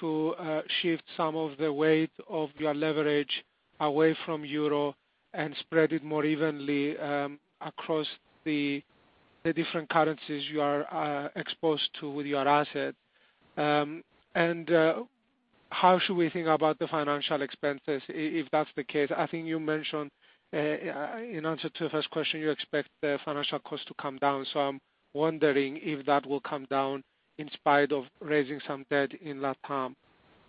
to shift some of the weight of your leverage away from EUR and spread it more evenly across the different currencies you are exposed to with your asset. How should we think about the financial expenses, if that's the case? I think in answer to the first question, you expect the financial cost to come down. I'm wondering if that will come down in spite of raising some debt in LatAm.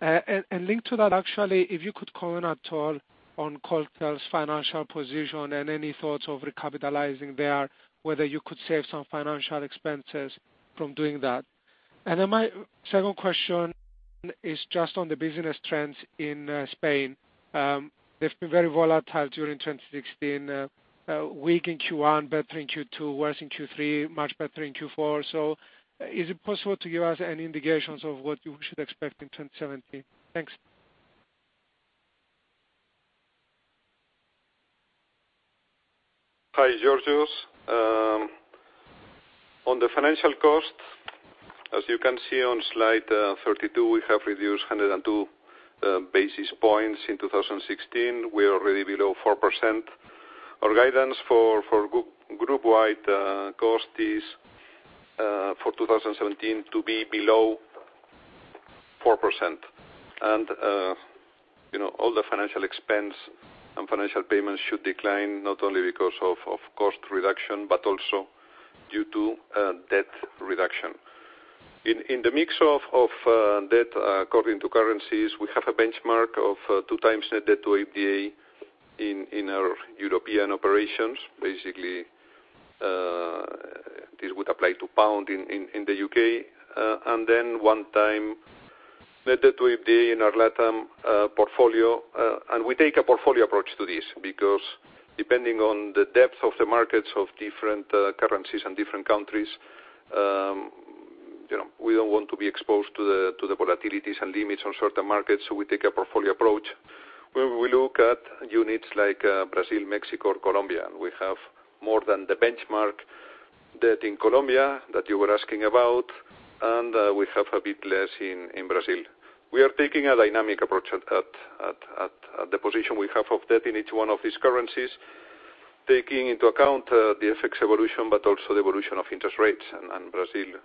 Linked to that actually, if you could comment at all on Coltel's financial position and any thoughts of recapitalizing there, whether you could save some financial expenses from doing that. My second question is just on the business trends in Spain. They've been very volatile during 2016. Weak in Q1, better in Q2, worse in Q3, much better in Q4. Is it possible to give us any indications of what we should expect in 2017? Thanks. Hi, Georgios. On the financial cost, as you can see on slide 32, we have reduced 102 basis points in 2016. We are already below 4%. Our guidance for group wide cost is for 2017 to be below 4%. All the financial expense and financial payments should decline, not only because of cost reduction, but also due to debt reduction. In the mix of debt according to currencies, we have a benchmark of two times net debt to EBITDA in our European operations. Basically, this would apply to GBP in the U.K., and then one time net debt to EBITDA in our LatAm portfolio. We take a portfolio approach to this, because depending on the depth of the markets of different currencies and different countries, we don't want to be exposed to the volatilities and limits on certain markets, so we take a portfolio approach, where we look at units like Brazil, Mexico, or Colombia. We have more than the benchmark debt in Colombia that you were asking about, and we have a bit less in Brazil. We are taking a dynamic approach at the position we have of debt in each one of these currencies, taking into account the FX evolution, but also the evolution of interest rates. Brazil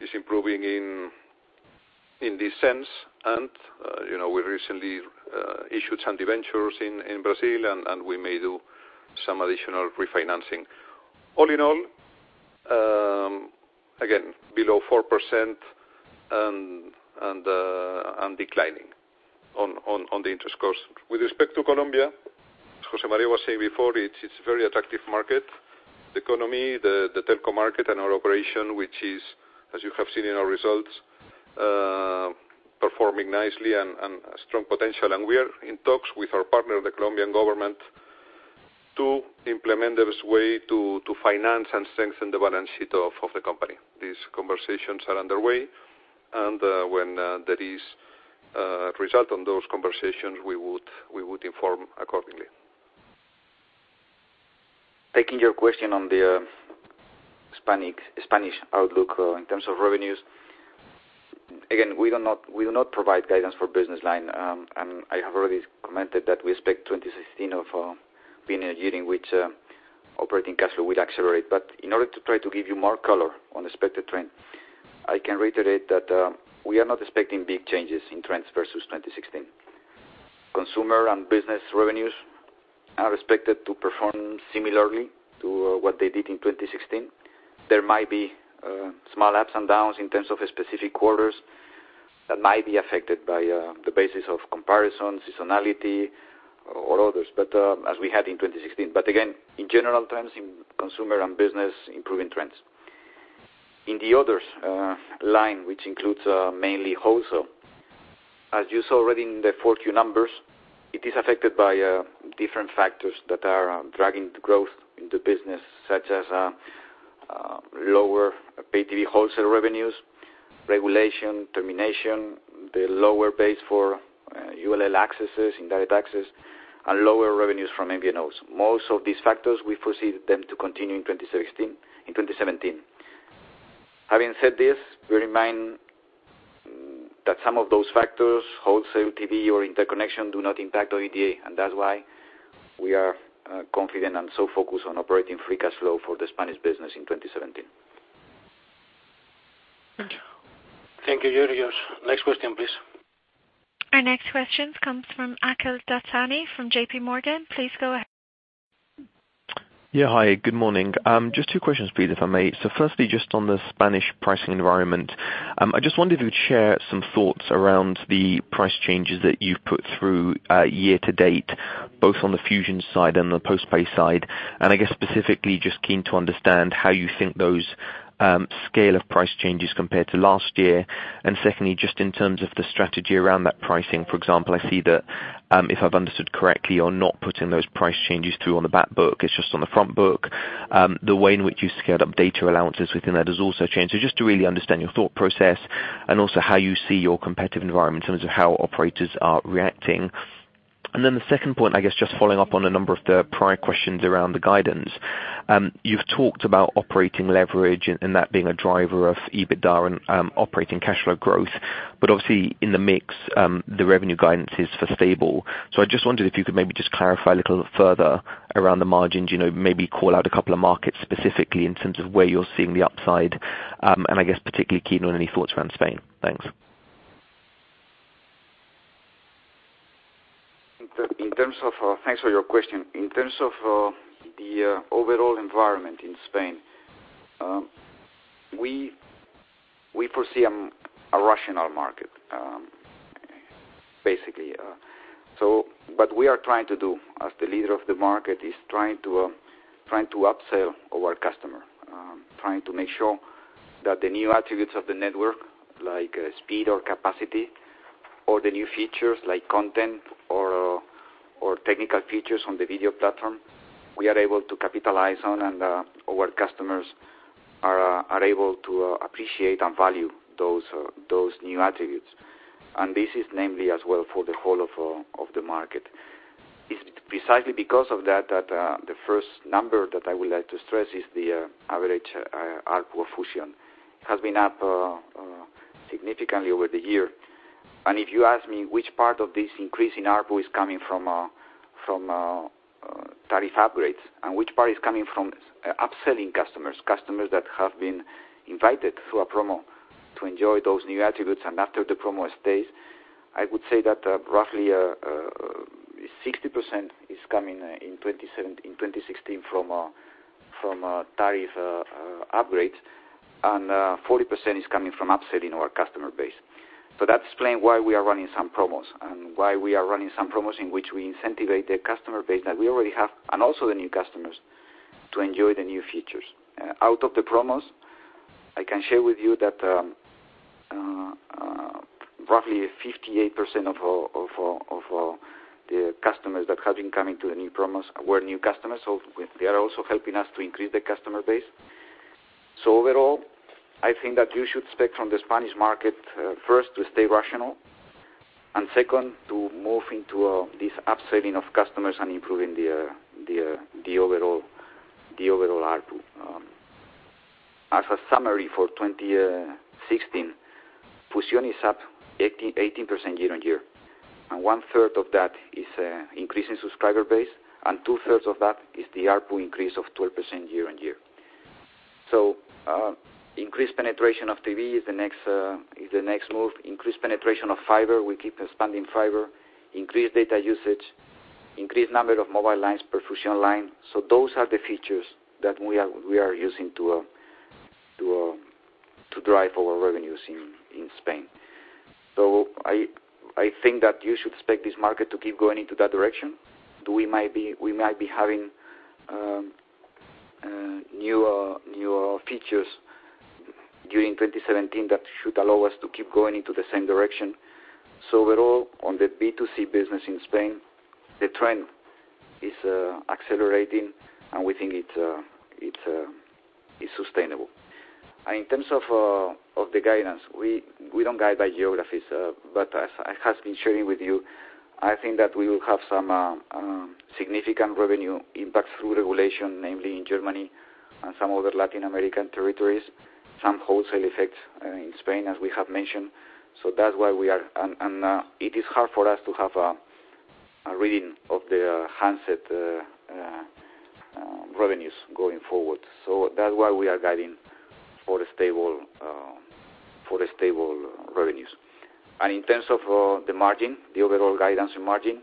is improving in this sense. We recently issued some debentures in Brazil, and we may do some additional refinancing. All in all, again, below 4% and declining on the interest cost. With respect to Colombia, José María was saying before, it's a very attractive market. The economy, the telecom market, and our operation, which is, as you have seen in our results, performing nicely and a strong potential. We are in talks with our partner, the Colombian government, to implement various way to finance and strengthen the balance sheet of the company. These conversations are underway, and when there is a result on those conversations, we would inform accordingly. Taking your question on the Spanish outlook in terms of revenues. We do not provide guidance for business line. I have already commented that we expect 2016 of being a year in which operating cash flow will accelerate. In order to try to give you more color on expected trend, I can reiterate that we are not expecting big changes in trends versus 2016. Consumer and business revenues are expected to perform similarly to what they did in 2016. There might be small ups and downs in terms of specific quarters that might be affected by the basis of comparison, seasonality or others, as we had in 2016. Again, in general trends in consumer and business, improving trends. In the others line, which includes mainly wholesale, as you saw already in the 4Q numbers, it is affected by different factors that are dragging the growth in the business, such as lower pay TV wholesale revenues, regulation, termination, the lower base for ULL accesses, indirect access, and lower revenues from MNOs. Most of these factors, we foresee them to continue in 2017. Having said this, we remind that some of those factors, wholesale TV or interconnection, do not impact OIBDA, and that's why we are confident and so focused on operating free cash flow for the Spanish business in 2017. Thank you. Thank you, Georgios. Next question, please. Our next question comes from Akhil Dattani from JPMorgan. Please go ahead. Yeah. Hi, good morning. Just two two questions please, if I may. Firstly, just on the Spanish pricing environment, I just wondered if you'd share some thoughts around the price changes that you've put through year to date, both on the Fusión side and the post-pay side. I guess specifically, just keen to understand how you think those scale of price changes compare to last year. Secondly, just in terms of the strategy around that pricing. For example, I see that, if I've understood correctly, you're not putting those price changes through on the back book, it's just on the front book. The way in which you scaled up data allowances within that has also changed. Just to really understand your thought process and also how you see your competitive environment in terms of how operators are reacting. Then the second point, I guess, just following up on a number of the prior questions around the guidance. You've talked about operating leverage and that being a driver of EBITDA and operating cash flow growth, but obviously in the mix, the revenue guidance is for stable. I just wondered if you could maybe just clarify a little further around the margins, maybe call out a couple of markets specifically in terms of where you're seeing the upside, and I guess particularly keen on any thoughts around Spain. Thanks. Thanks for your question. In terms of the overall environment in Spain, we foresee a rational market. What we are trying to do as the leader of the market is trying to upsell our customer, trying to make sure that the new attributes of the network, like speed or capacity, or the new features like content or technical features on the video platform, we are able to capitalize on and our customers are able to appreciate and value those new attributes. This is namely as well for the whole of the market. It's precisely because of that the first number that I would like to stress is the average ARPU Fusión has been up significantly over the year. If you ask me which part of this increase in ARPU is coming from tariff upgrades and which part is coming from upselling customers that have been invited through a promo to enjoy those new attributes, and after the promo stays, I would say that roughly 60% is coming in 2016 from tariff upgrades and 40% is coming from upselling our customer base. That explain why we are running some promos and why we are running some promos in which we incentivize the customer base that we already have and also the new customers to enjoy the new features. Out of the promos, I can share with you that roughly 58% of the customers that have been coming to the new promos were new customers. They are also helping us to increase the customer base. Overall, I think that you should expect from the Spanish market, first to stay rational, and second, to move into this upselling of customers and improving the overall ARPU. As a summary for 2016, Fusión is up 18% year-over-year, and one third of that is increase in subscriber base, and two thirds of that is the ARPU increase of 12% year-over-year. Increased penetration of TV is the next move. Increased penetration of fiber. We keep expanding fiber. Increased data usage. Increased number of mobile lines per Fusión line. Those are the features that we are using to drive our revenues in Spain. I think that you should expect this market to keep going into that direction. We might be having newer features during 2017 that should allow us to keep going into the same direction. Overall, on the B2C business in Spain, the trend is accelerating, and we think it's sustainable. In terms of the guidance, we don't guide by geographies. As I have been sharing with you, I think that we will have some significant revenue impact through regulation, namely in Germany and some other Latin American territories, some wholesale effects in Spain, as we have mentioned. That's why it is hard for us to have a reading of the handset revenues going forward. That's why we are guiding for the stable revenues. In terms of the margin, the overall guidance margin,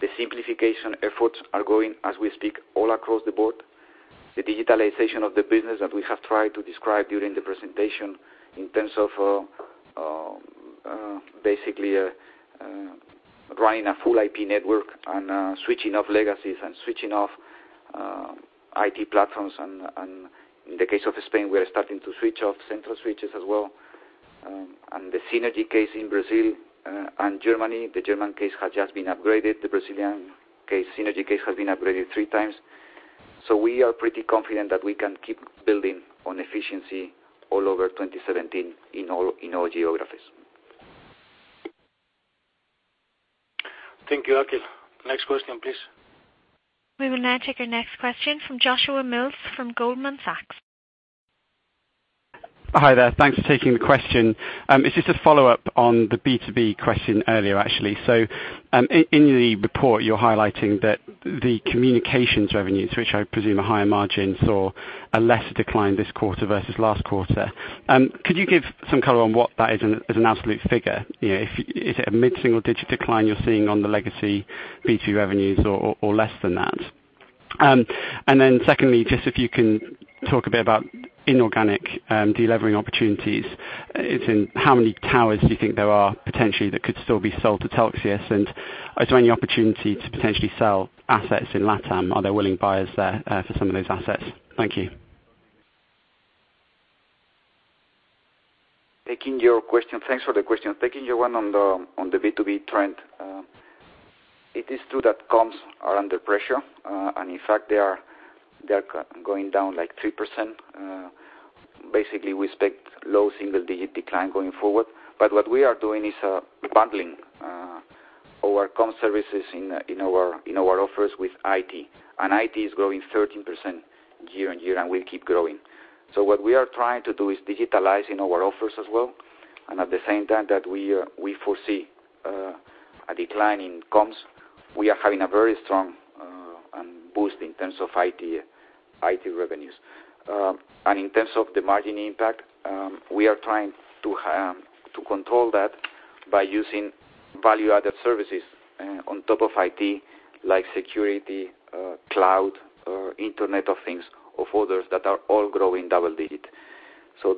the simplification efforts are going as we speak all across the board. The digitalization of the business that we have tried to describe during the presentation in terms of basically running a full IP network and switching off legacies and switching off IT platforms. In the case of Spain, we are starting to switch off central switches as well. The synergy case in Brazil and Germany, the German case has just been upgraded. The Brazilian synergy case has been upgraded three times. We are pretty confident that we can keep building on efficiency all over 2017 in all geographies. Thank you, Akhil. Next question, please. We will now take our next question from Joshua Mills from Goldman Sachs. Hi there. Thanks for taking the question. It is just a follow-up on the B2B question earlier, actually. In the report, you are highlighting that the communications revenues, which I presume are higher margins, saw a lesser decline this quarter versus last quarter. Could you give some color on what that is as an absolute figure? Is it a mid-single-digit decline you are seeing on the legacy B2B revenues or less than that? Secondly, just if you can talk a bit about inorganic de-levering opportunities. How many towers do you think there are potentially that could still be sold to Telxius? Is there any opportunity to potentially sell assets in LATAM? Are there willing buyers there for some of those assets? Thank you. Thanks for the question. Taking your one on the B2B trend. It is true that comms are under pressure. In fact, they are going down like 3%. Basically, we expect low-single-digit decline going forward. What we are doing is bundling our comm services in our offers with IT. IT is growing 13% year-on-year, and will keep growing. What we are trying to do is digitalizing our offers as well, and at the same time that we foresee a decline in comms, we are having a very strong boost in terms of IT revenues. In terms of the margin impact, we are trying to control that by using value-added services on top of IT, like security, cloud, Internet of Things, of others that are all growing double-digit.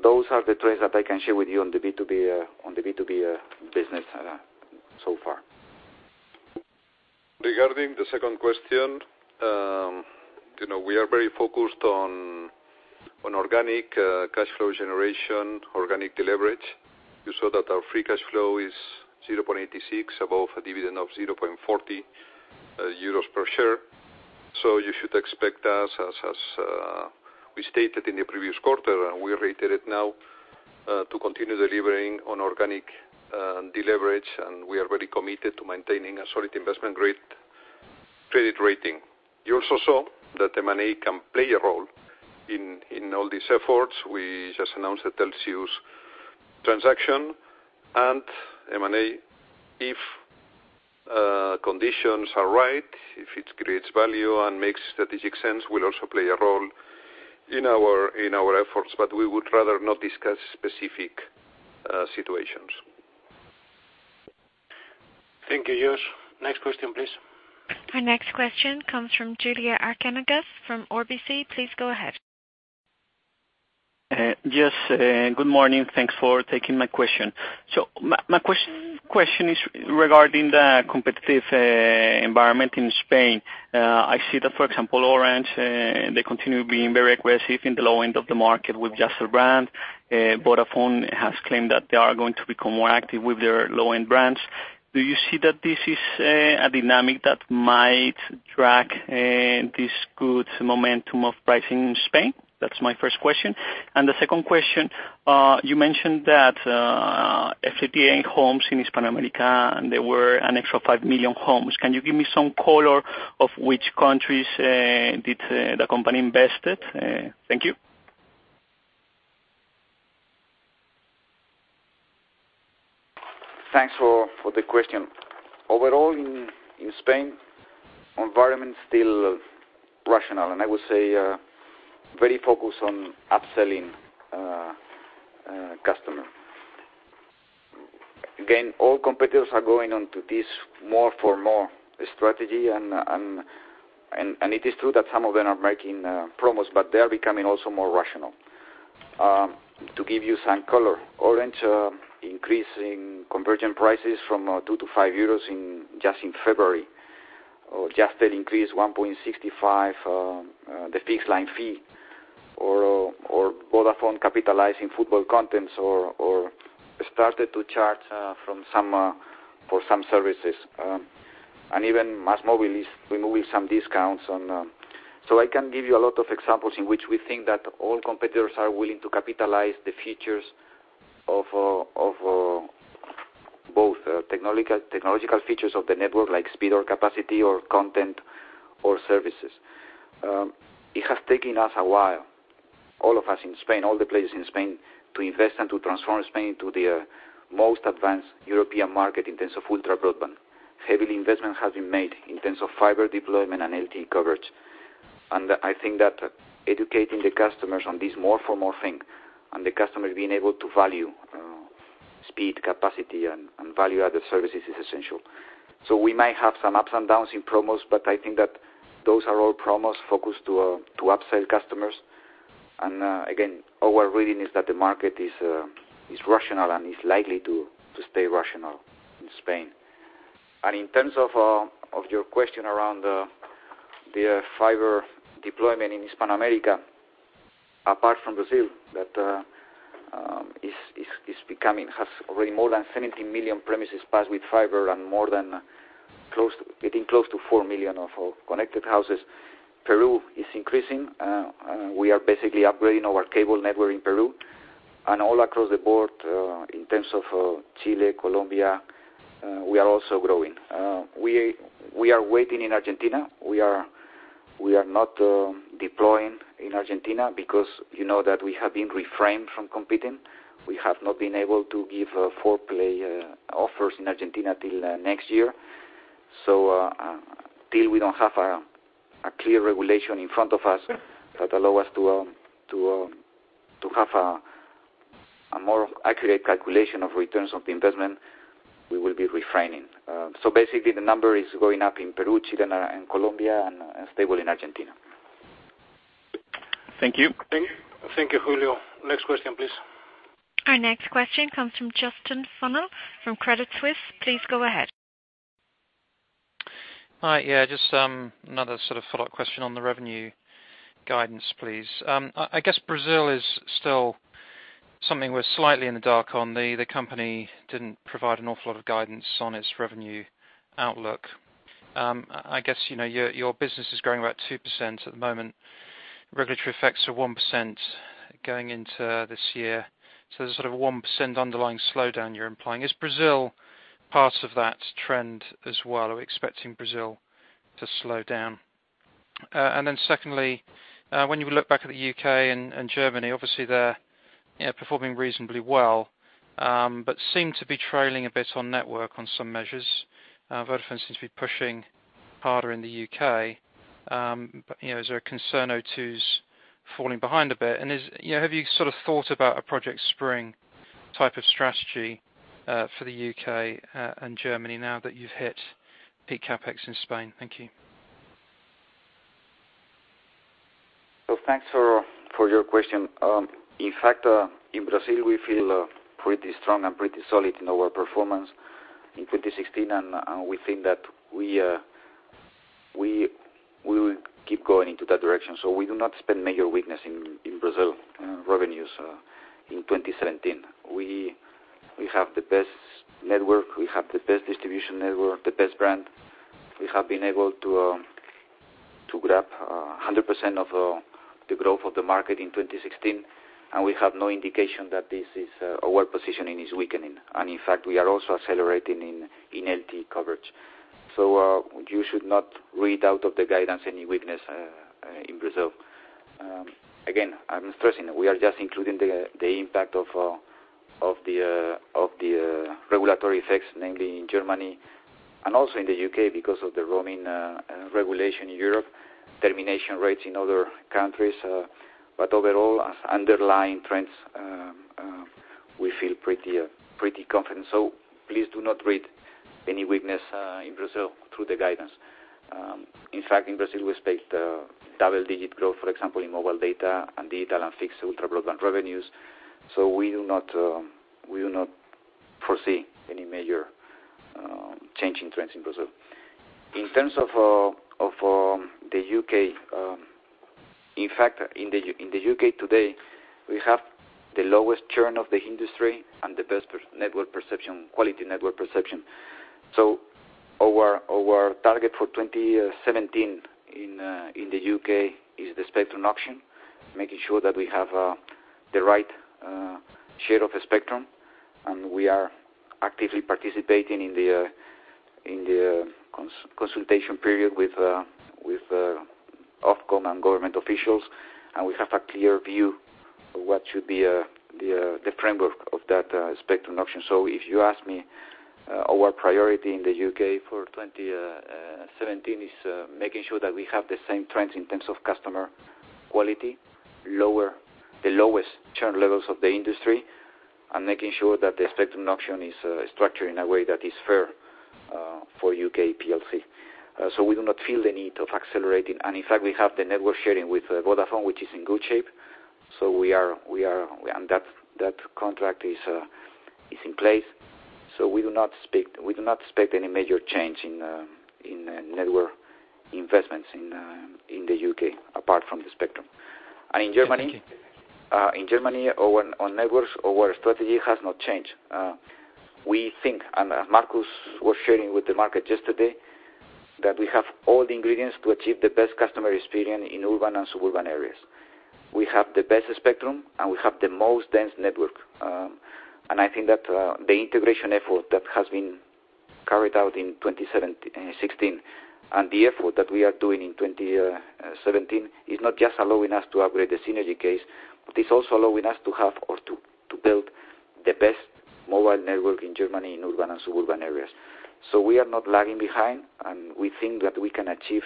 Those are the trends that I can share with you on the B2B business so far. Regarding the second question, we are very focused on organic cash flow generation, organic deleverage. You saw that our free cash flow is 0.86, above a dividend of 0.40 euros per share. You should expect us, as we stated in the previous quarter, and we reiterate now, to continue delivering on organic deleverage, and we are very committed to maintaining a solid investment credit rating. You also saw that M&A can play a role in all these efforts. We just announced the Telxius transaction, and M&A, if conditions are right, if it creates value and makes strategic sense, will also play a role in our efforts. We would rather not discuss specific situations. Thank you, Josh. Next question, please. Our next question comes from Julio Arciniegas from RBC. Please go ahead. Yes. Good morning. Thanks for taking my question. My question is regarding the competitive environment in Spain. I see that, for example, Orange, they continue being very aggressive in the low end of the market with Jazztel Brand. Vodafone has claimed that they are going to become more active with their low-end brands. Do you see that this is a dynamic that might track this good momentum of pricing in Spain? That's my first question. The second question, you mentioned that FTTH homes in Hispanoamérica, and there were an extra 5 million homes. Can you give me some color of which countries did the company invested? Thank you. Thanks for the question. Overall, in Spain, environment's still rational, and I would say very focused on upselling customer. All competitors are going on to this more for more strategy, and it is true that some of them are making promos, but they're becoming also more rational. To give you some color, Orange increasing convergent prices from 2 to 5 euros just in February, Jazztel increased 1.65, the fixed line fee. Vodafone capitalizing football contents or started to charge for some services. Even MásMóvil is removing some discounts. I can give you a lot of examples in which we think that all competitors are willing to capitalize the features of both technological features of the network, like speed or capacity or content or services. It has taken us a while, all of us in Spain, all the players in Spain, to invest and to transform Spain into the most advanced European market in terms of ultra broadband. Heavy investment has been made in terms of fiber deployment and LTE coverage. I think that educating the customers on this more for more thing, and the customer being able to value speed, capacity, and value-added services is essential. We might have some ups and downs in promos, but I think that those are all promos focused to upsell customers. Again, our reading is that the market is rational and is likely to stay rational in Spain. In terms of your question around the fiber deployment in Hispanoamérica, apart from Brazil, has already more than 17 million premises passed with fiber and getting close to 4 million of connected houses. Peru is increasing. We are basically upgrading our cable network in Peru. All across the board, in terms of Chile, Colombia, we are also growing. We are waiting in Argentina. We are not deploying in Argentina because you know that we have been refrained from competing. We have not been able to give a full play offers in Argentina till next year. Till we don't have a clear regulation in front of us that allow us to have a more accurate calculation of returns on the investment, we will be refraining. Basically, the number is going up in Peru, Chile, and Colombia, and stable in Argentina. Thank you. Thank you, Julio. Next question, please. Our next question comes from Justin Funnell from Credit Suisse. Please go ahead. Hi. Just another follow-up question on the revenue guidance, please. I guess Brazil is still something we're slightly in the dark on, the company didn't provide an awful lot of guidance on its revenue outlook. I guess your business is growing about 2% at the moment. Regulatory effects are 1% going into this year. There's sort of 1% underlying slowdown you're implying. Is Brazil part of that trend as well? Are we expecting Brazil to slow down? Secondly, when you look back at the U.K. and Germany, obviously they're performing reasonably well, but seem to be trailing a bit on network on some measures. Vodafone seems to be pushing harder in the U.K. Is there a concern O2's falling behind a bit, and have you thought about a Project Spring type of strategy for the U.K. and Germany now that you've hit peak CapEx in Spain? Thank you. Thanks for your question. In fact, in Brazil, we feel pretty strong and pretty solid in our performance in 2016. We think that we will keep going into that direction. We do not spend major weakness in Brazil revenues in 2017. We have the best network, we have the best distribution network, the best brand. We have been able to grab 100% of the growth of the market in 2016, and we have no indication that our positioning is weakening. In fact, we are also accelerating in LTE coverage. You should not read out of the guidance any weakness in Brazil. Again, I'm stressing that we are just including the impact of the regulatory effects, namely in Germany and also in the U.K. because of the roaming regulation in Europe, termination rates in other countries. Overall, as underlying trends, we feel pretty confident. Please do not read any weakness in Brazil through the guidance. In fact, in Brazil, we expect double-digit growth, for example, in mobile data and data and fixed ultra broadband revenues. We do not foresee any major change in trends in Brazil. In terms of the U.K., in fact, in the U.K. today, we have the lowest churn of the industry and the best quality network perception. Our target for 2017 in the U.K. is the spectrum auction, making sure that we have the right share of the spectrum, and we are actively participating in the consultation period with Ofcom and government officials, and we have a clear view of what should be the framework of that spectrum auction. If you ask me, our priority in the U.K. for 2017 is making sure that we have the same trends in terms of customer quality, the lowest churn levels of the industry, and making sure that the spectrum auction is structured in a way that is fair for U.K. PLC. We do not feel the need of accelerating. In fact, we have the network sharing with Vodafone, which is in good shape. That contract is in place. We do not expect any major change in network investments in the U.K., apart from the spectrum. In Germany, on networks, our strategy has not changed. We think, and Markus was sharing with the market yesterday, that we have all the ingredients to achieve the best customer experience in urban and suburban areas. We have the best spectrum, and we have the most dense network. I think that the integration effort that has been carried out in 2016 and the effort that we are doing in 2017 is not just allowing us to upgrade the synergy case, but is also allowing us to have or to build the best mobile network in Germany in urban and suburban areas. We are not lagging behind. We think that we can achieve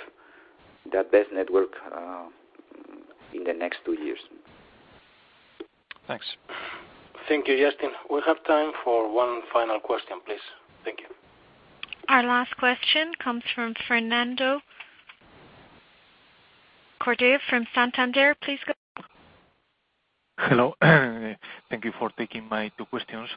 the best network in the next two years. Thanks. Thank you, Justin. We have time for one final question, please. Thank you. Our last question comes from Fernando Cordero from Santander. Please go ahead. Hello. Thank you for taking my two questions,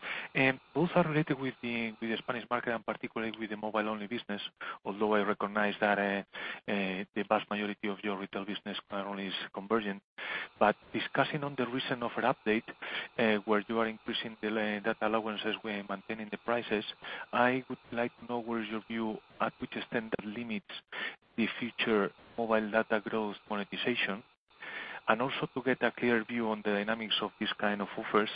both are related with the Spanish market and particularly with the mobile-only business, although I recognize that the vast majority of your retail business currently is convergent. Discussing on the recent offer update, where you are increasing the data allowances while maintaining the prices, I would like to know where is your view at which extent that limits the future mobile data growth monetization, also to get a clear view on the dynamics of these kind of offers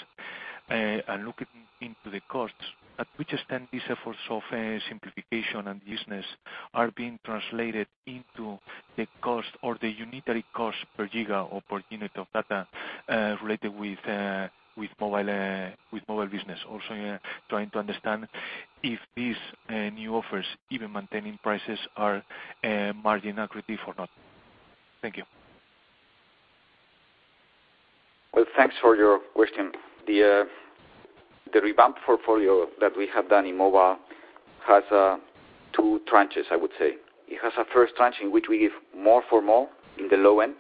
and looking into the costs, at which extent these efforts of simplification and business are being translated into the cost or the unitary cost per giga or per unit of data, related with mobile business. Also trying to understand if these new offers, even maintaining prices, are margin accretive or not. Thank you. Thanks for your question. The revamp portfolio that we have done in mobile has two tranches, I would say. It has a first tranche in which we give more for more in the low end.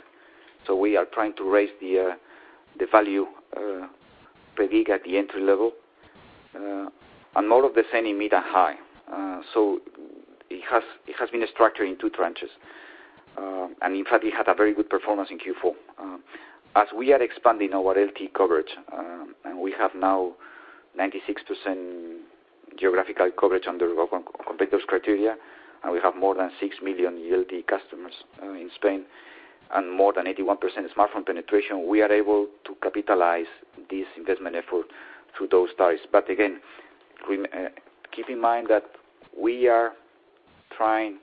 More of the same in mid and high. It has been structured in two tranches. In fact, it had a very good performance in Q4. As we are expanding our LTE coverage, we have now 96% geographical coverage under OpenSignal's criteria, and we have more than 6 million LTE customers in Spain, and more than 81% smartphone penetration, we are able to capitalize this investment effort through those ties. Again, keep in mind that we are trying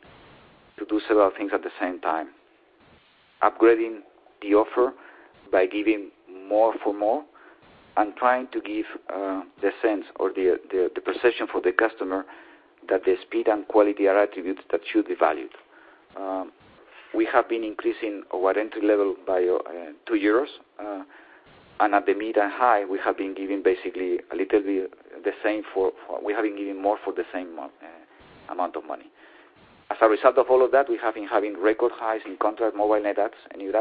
to do several things at the same time. Upgrading the offer by giving more for more, and trying to give the sense or the perception for the customer that the speed and quality are attributes that should be valued. We have been increasing our entry level by two years, and at the mid and high, we have been giving basically a little bit the same for-- We have been giving more for the same amount of money. As a result of all of that, we have been having record highs in contract mobile net adds and new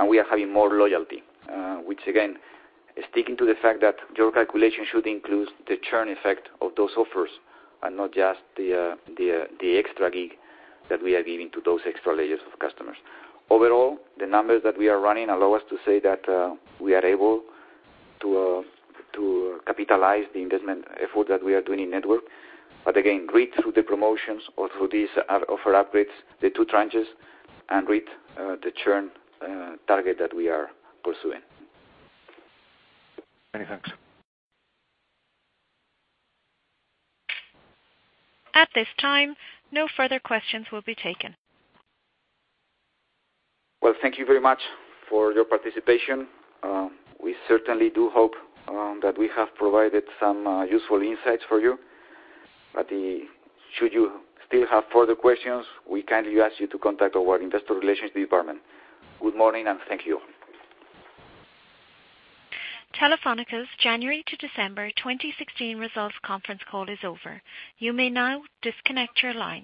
adds, and we are having more loyalty, which again, sticking to the fact that your calculation should include the churn effect of those offers and not just the extra gig that we are giving to those extra layers of customers. Overall, the numbers that we are running allow us to say that, we are able to capitalize the investment effort that we are doing in network. Again, read through the promotions or through these offer upgrades, the two tranches, and read the churn target that we are pursuing. Many thanks. At this time, no further questions will be taken. Well, thank you very much for your participation. We certainly do hope that we have provided some useful insights for you. Should you still have further questions, we kindly ask you to contact our investor relations department. Good morning, and thank you. Telefónica's January to December 2016 results conference call is over. You may now disconnect your line.